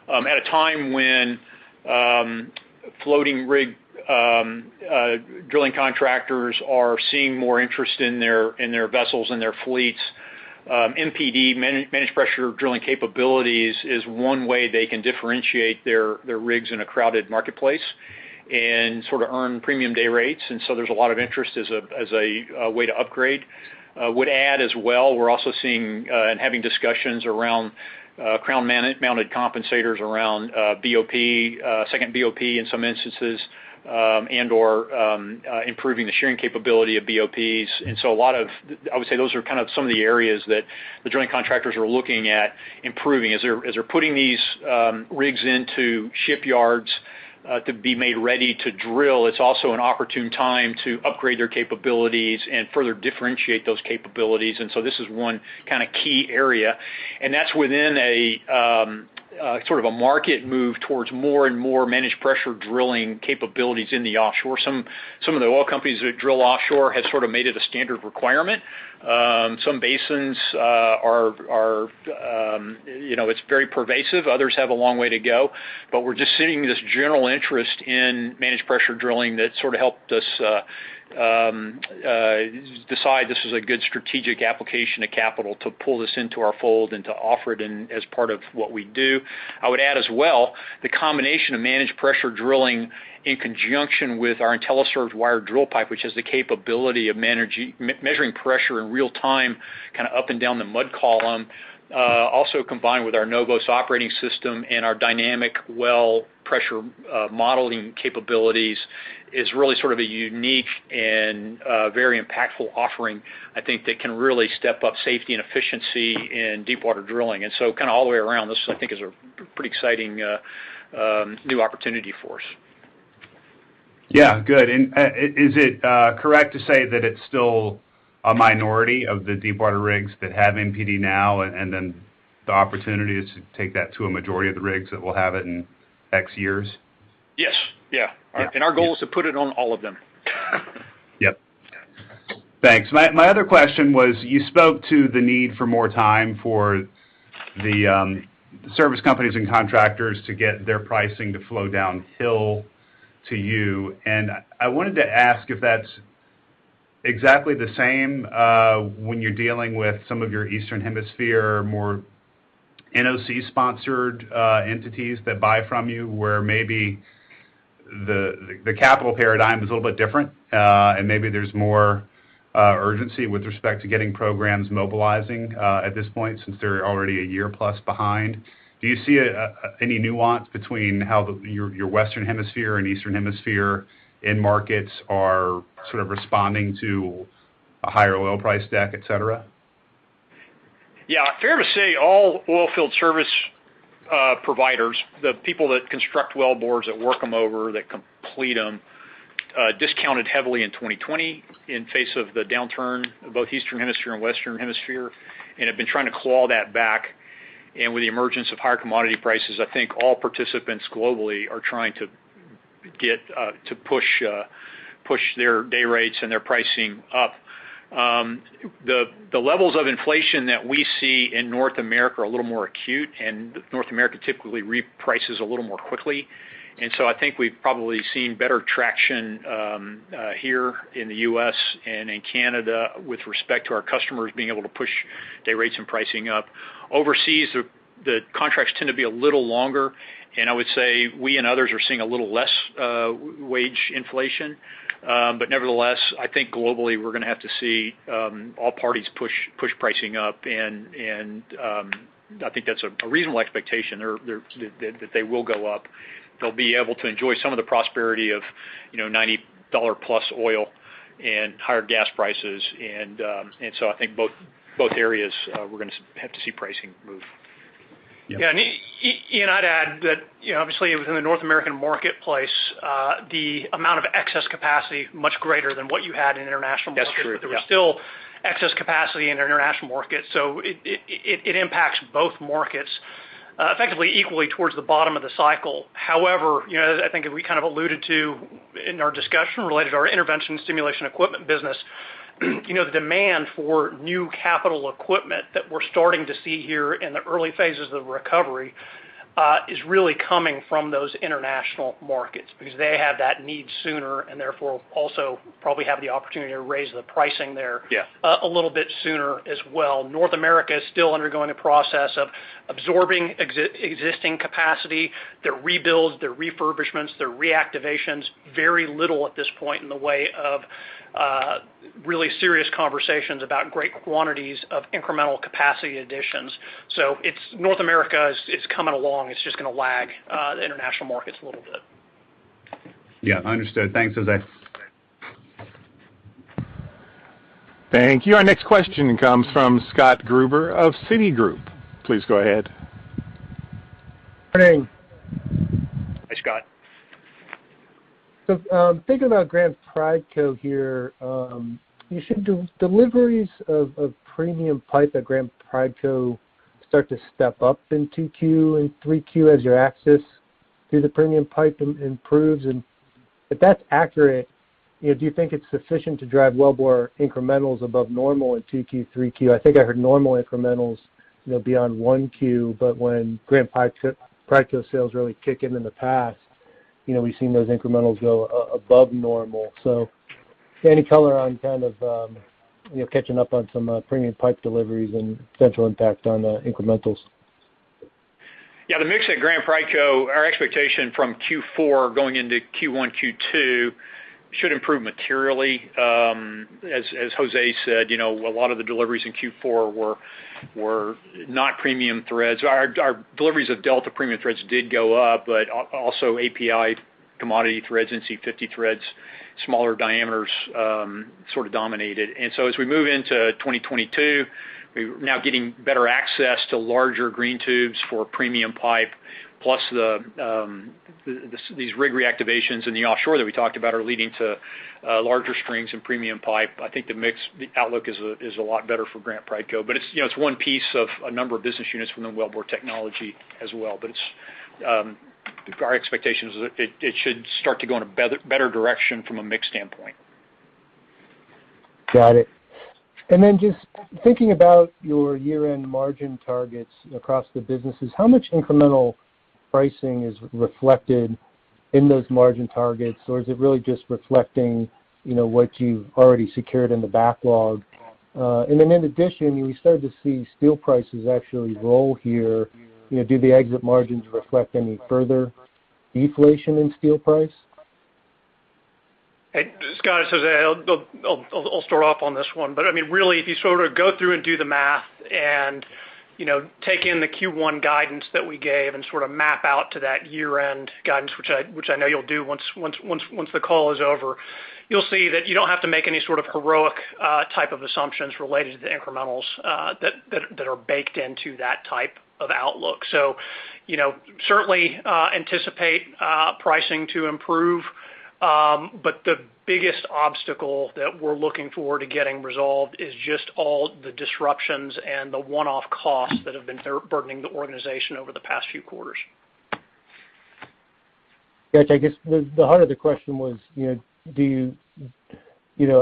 At a time when floating rig drilling contractors are seeing more interest in their vessels and their fleets, MPD, Managed Pressure Drilling capabilities is one way they can differentiate their rigs in a crowded marketplace and sort of earn premium day rates. There's a lot of interest as a way to upgrade. I would add as well, we're also seeing and having discussions around Crown-Mounted Compensators around BOP, second BOP in some instances, and/or improving the shearing capability of BOPs. I would say those are kind of some of the areas that the drilling contractors are looking at improving. As they're putting these rigs into shipyards to be made ready to drill, it's also an opportune time to upgrade their capabilities and further differentiate those capabilities. This is one kinda key area, and that's within a sort of a market move towards more and more Managed Pressure Drilling capabilities in the offshore. Some of the oil companies that drill offshore have sort of made it a standard requirement. Some basins are you know it's very pervasive. Others have a long way to go. We're just seeing this general interest in Managed Pressure Drilling that sort of helped us decide this is a good strategic application of capital to pull this into our fold and to offer it in as part of what we do. I would add as well, the combination of Managed Pressure Drilling in conjunction with our IntelliServ wired drill pipe, which has the capability of measuring pressure in real time, kinda up and down the mud column, also combined with our NOVOS operating system and our dynamic well pressure modeling capabilities, is really sort of a unique and very impactful offering, I think, that can really step up safety and efficiency in deepwater drilling. Kinda all the way around, this I think is a pretty exciting new opportunity for us. Is it correct to say that it's still a minority of the deepwater rigs that have MPD now, and then the opportunity is to take that to a majority of the rigs that will have it in X years? Yes. Yeah. All right. Our goal is to put it on all of them. Yep. Thanks. My other question was, you spoke to the need for more time for the service companies and contractors to get their pricing to flow downhill to you. I wanted to ask if that's exactly the same when you're dealing with some of your Eastern Hemisphere more NOC-sponsored entities that buy from you where maybe the capital paradigm is a little bit different, and maybe there's more urgency with respect to getting programs mobilizing at this point since they're already a year plus behind. Do you see any nuance between how your Western Hemisphere and Eastern Hemisphere end markets are sort of responding to a higher oil price deck, et cetera? Yeah. Fair to say all oil field service providers, the people that construct wellbore, that work them over, that complete them, discounted heavily in 2020 in face of the downturn, both Eastern Hemisphere and Western Hemisphere, and have been trying to claw that back. With the emergence of higher commodity prices, I think all participants globally are trying to get to push their day rates and their pricing up. The levels of inflation that we see in North America are a little more acute, and North America typically reprices a little more quickly. I think we've probably seen better traction here in the U.S. and in Canada with respect to our customers being able to push day rates and pricing up. Overseas, the contracts tend to be a little longer, and I would say we and others are seeing a little less wage inflation. But nevertheless, I think globally we're gonna have to see all parties push pricing up and I think that's a reasonable expectation that they will go up. They'll be able to enjoy some of the prosperity of, you know, $90+ oil and higher gas prices and so I think both areas, we're gonna have to see pricing move. Yeah. Yeah. Ian, I'd add that, you know, obviously within the North American marketplace, the amount of excess capacity much greater than what you had in international markets. That's true, yeah. There's still excess capacity in the international market, so it impacts both markets effectively equally towards the bottom of the cycle. However, you know, as I think we kind of alluded to in our discussion related to our intervention stimulation equipment business, you know, the demand for new capital equipment that we're starting to see here in the early phases of recovery is really coming from those international markets because they have that need sooner and therefore also probably have the opportunity to raise the pricing there. Yeah... a little bit sooner as well. North America is still undergoing a process of absorbing existing capacity, their rebuilds, their refurbishments, their reactivations. Very little at this point in the way of really serious conversations about great quantities of incremental capacity additions. So it's North America is coming along. It's just gonna lag the international markets a little bit. Yeah, understood. Thanks, Jose. Thank you. Our next question comes from Scott Gruber of Citigroup. Please go ahead. Good day. Hi, Scott. Thinking about Grant Prideco here, you should do deliveries of premium pipe at Grant Prideco start to step up in 2Q and 3Q as your access to the premium pipe improves. And if that's accurate, you know, do you think it's sufficient to drive wellbore incrementals above normal in 2Q, 3Q? I think I heard normal incrementals, you know, beyond 1Q, but when Grant Prideco sales really kick in in the past, you know, we've seen those incrementals go above normal. Any color on kind of, you know, catching up on some premium pipe deliveries and potential impact on the incrementals? Yeah. The mix at Grant Prideco, our expectation from Q4 going into Q1, Q2 should improve materially. As Jose said, you know, a lot of the deliveries in Q4 were not premium threads. Our deliveries of Delta premium threads did go up, but also API commodity threads and C50 threads, smaller diameters, sort of dominated. As we move into 2022, we're now getting better access to larger green tubes for premium pipe, plus these rig reactivations in the offshore that we talked about are leading to larger streams in premium pipe. I think the mix, the outlook is a lot better for Grant Prideco. It's, you know, it's one piece of a number of business units within Wellbore Technologies as well. It's our expectation is it should start to go in a better direction from a mix standpoint. Got it. Just thinking about your year-end margin targets across the businesses, how much incremental pricing is reflected in those margin targets, or is it really just reflecting, you know, what you've already secured in the backlog? In addition, we started to see steel prices actually roll here. You know, do the exit margins reflect any further deflation in steel price? Hey, Scott, it's Jose. I'll start off on this one. I mean, really, if you sort of go through and do the math and, you know, take in the Q1 guidance that we gave and sort of map out to that year-end guidance, which I know you'll do once the call is over, you'll see that you don't have to make any sort of heroic type of assumptions related to the incrementals that are baked into that type of outlook. You know, certainly anticipate pricing to improve. The biggest obstacle that we're looking forward to getting resolved is just all the disruptions and the one-off costs that have been burdening the organization over the past few quarters. Yeah. I guess the heart of the question was, you know, do you know,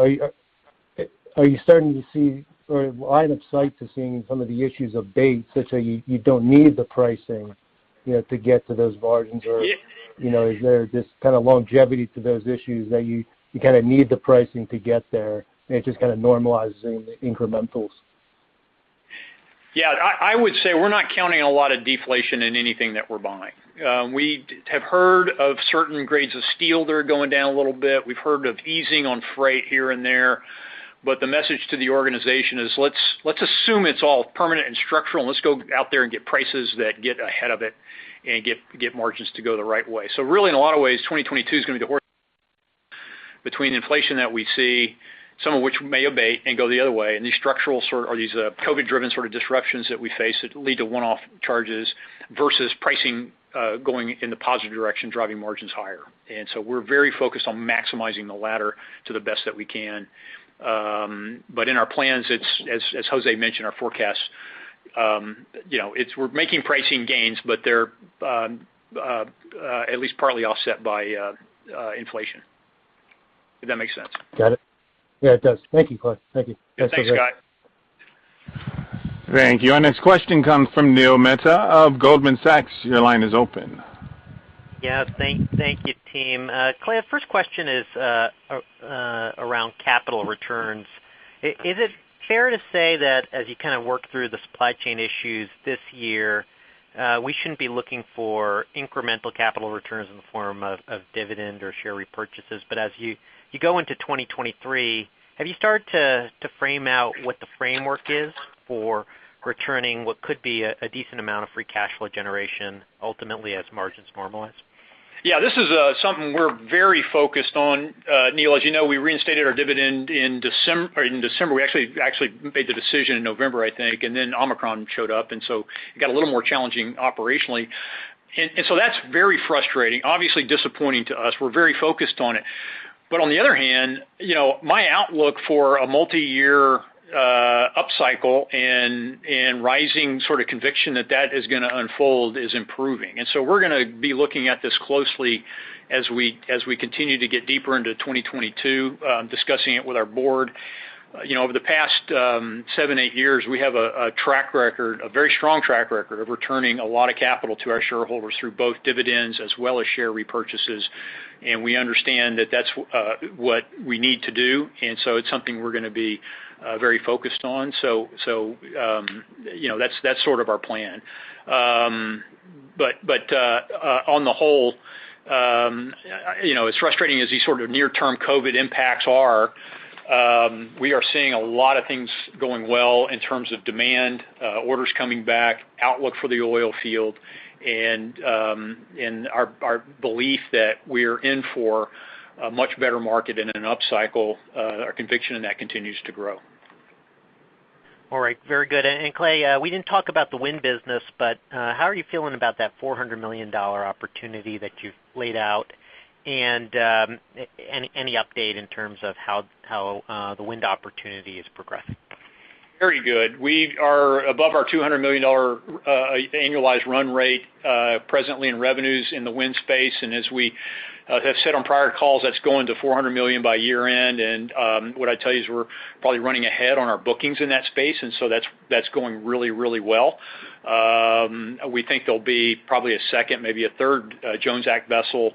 are you starting to see or line of sight to seeing some of the issues abate such that you don't need the pricing to get to those margins? Yeah. You know, is there just kind of longevity to those issues that you kind of need the pricing to get there, and it just kind of normalizes in the incrementals? Yeah. I would say we're not counting a lot of deflation in anything that we're buying. We have heard of certain grades of steel that are going down a little bit. We've heard of easing on freight here and there. But the message to the organization is, let's assume it's all permanent and structural, and let's go out there and get prices that get ahead of it and get margins to go the right way. Really, in a lot of ways, 2022 is gonna be the course between inflation that we see, some of which may abate and go the other way, and these COVID-driven sort of disruptions that we face that lead to one-off charges versus pricing going in the positive direction, driving margins higher. We're very focused on maximizing the latter to the best that we can. In our plans, it's as José mentioned, our forecast, you know, we're making pricing gains, but they're at least partly offset by inflation. Did that make sense? Got it. Yeah, it does. Thank you, Clay. Thank you. Yeah, thanks, Scott. Thank you. Our next question comes from Neil Mehta of Goldman Sachs. Your line is open. Yeah. Thank you, team. Clay, first question is around capital returns. Is it fair to say that as you kind of work through the supply chain issues this year, we shouldn't be looking for incremental capital returns in the form of dividend or share repurchases? As you go into 2023, have you started to frame out what the framework is for returning what could be a decent amount of free cash flow generation ultimately as margins normalize? Yeah. This is something we're very focused on. Neil, as you know, we reinstated our dividend in December. We actually made the decision in November, I think, and then Omicron showed up, and so it got a little more challenging operationally. So that's very frustrating, obviously disappointing to us. We're very focused on it. On the other hand, you know, my outlook for a multiyear upcycle and rising sort of conviction that that is gonna unfold is improving. We're gonna be looking at this closely as we continue to get deeper into 2022, discussing it with our board. You know, over the past seven-eight years, we have a track record, a very strong track record of returning a lot of capital to our shareholders through both dividends as well as share repurchases. We understand that that's what we need to do, and so it's something we're gonna be very focused on. You know, that's sort of our plan. On the whole, you know, as frustrating as these sort of near-term COVID impacts are, we are seeing a lot of things going well in terms of demand, orders coming back, outlook for the oil field and our belief that we're in for a much better market and an upcycle, our conviction in that continues to grow. All right. Very good. Clay, we didn't talk about the wind business, but how are you feeling about that $400 million opportunity that you've laid out? Any update in terms of how the wind opportunity is progressing? Very good. We are above our $200 million annualized run rate presently in revenues in the wind space. As we have said on prior calls, that's going to $400 million by year-end. What I'd tell you is we're probably running ahead on our bookings in that space, and so that's going really well. We think there'll be probably a second, maybe a third Jones Act vessel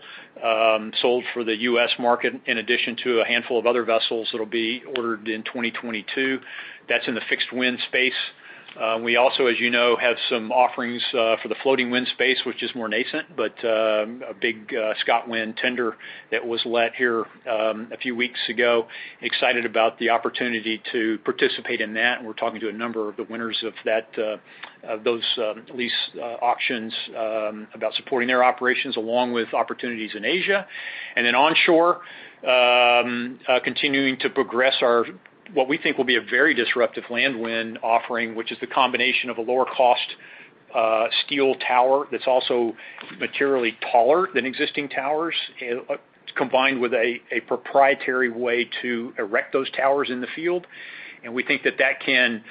sold for the U.S. market in addition to a handful of other vessels that'll be ordered in 2022. That's in the fixed wind space. We also, as you know, have some offerings for the floating wind space, which is more nascent, but a big ScotWind tender that was let here a few weeks ago. Excited about the opportunity to participate in that, and we're talking to a number of the winners of that, of those, lease auctions, about supporting their operations along with opportunities in Asia. Onshore, continuing to progress our, what we think will be a very disruptive land wind offering, which is the combination of a lower cost, steel tower that's also materially taller than existing towers, combined with a proprietary way to erect those towers in the field. We think that can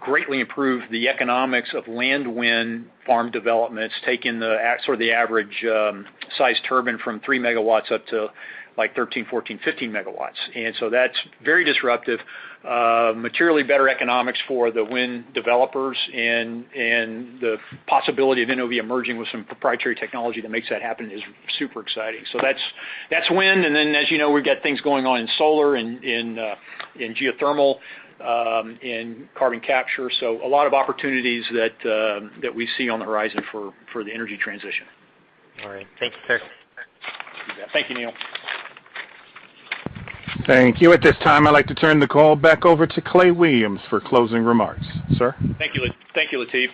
greatly improve the economics of land wind farm developments, taking sort of the average size turbine from 3 MW up to, like, 13, 14, 15 MW. That's very disruptive. Materially better economics for the wind developers and the possibility of NOV emerging with some proprietary technology that makes that happen is super exciting. That's wind. As you know, we've got things going on in solar and in geothermal, in carbon capture. A lot of opportunities that we see on the horizon for the energy transition. All right. Thank you, sir. Thank you, Neil. Thank you. At this time, I'd like to turn the call back over to Clay Williams for closing remarks. Sir? Thank you, Latif.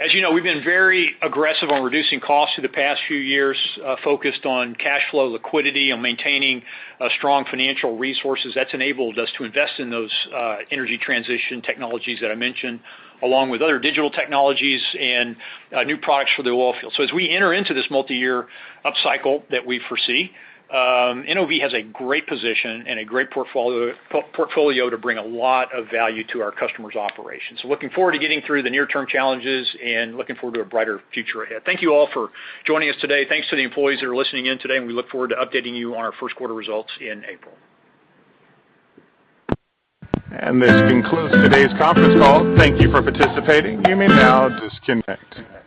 As you know, we've been very aggressive on reducing costs through the past few years, focused on cash flow liquidity and maintaining strong financial resources. That's enabled us to invest in those energy transition technologies that I mentioned, along with other digital technologies and new products for the oil field. As we enter into this multiyear upcycle that we foresee, NOV has a great position and a great portfolio to bring a lot of value to our customers' operations. Looking forward to getting through the near-term challenges and looking forward to a brighter future ahead. Thank you all for joining us today. Thanks to the employees that are listening in today, and we look forward to updating you on our Q1 results in April. This concludes today's conference call. Thank you for participating. You may now disconnect.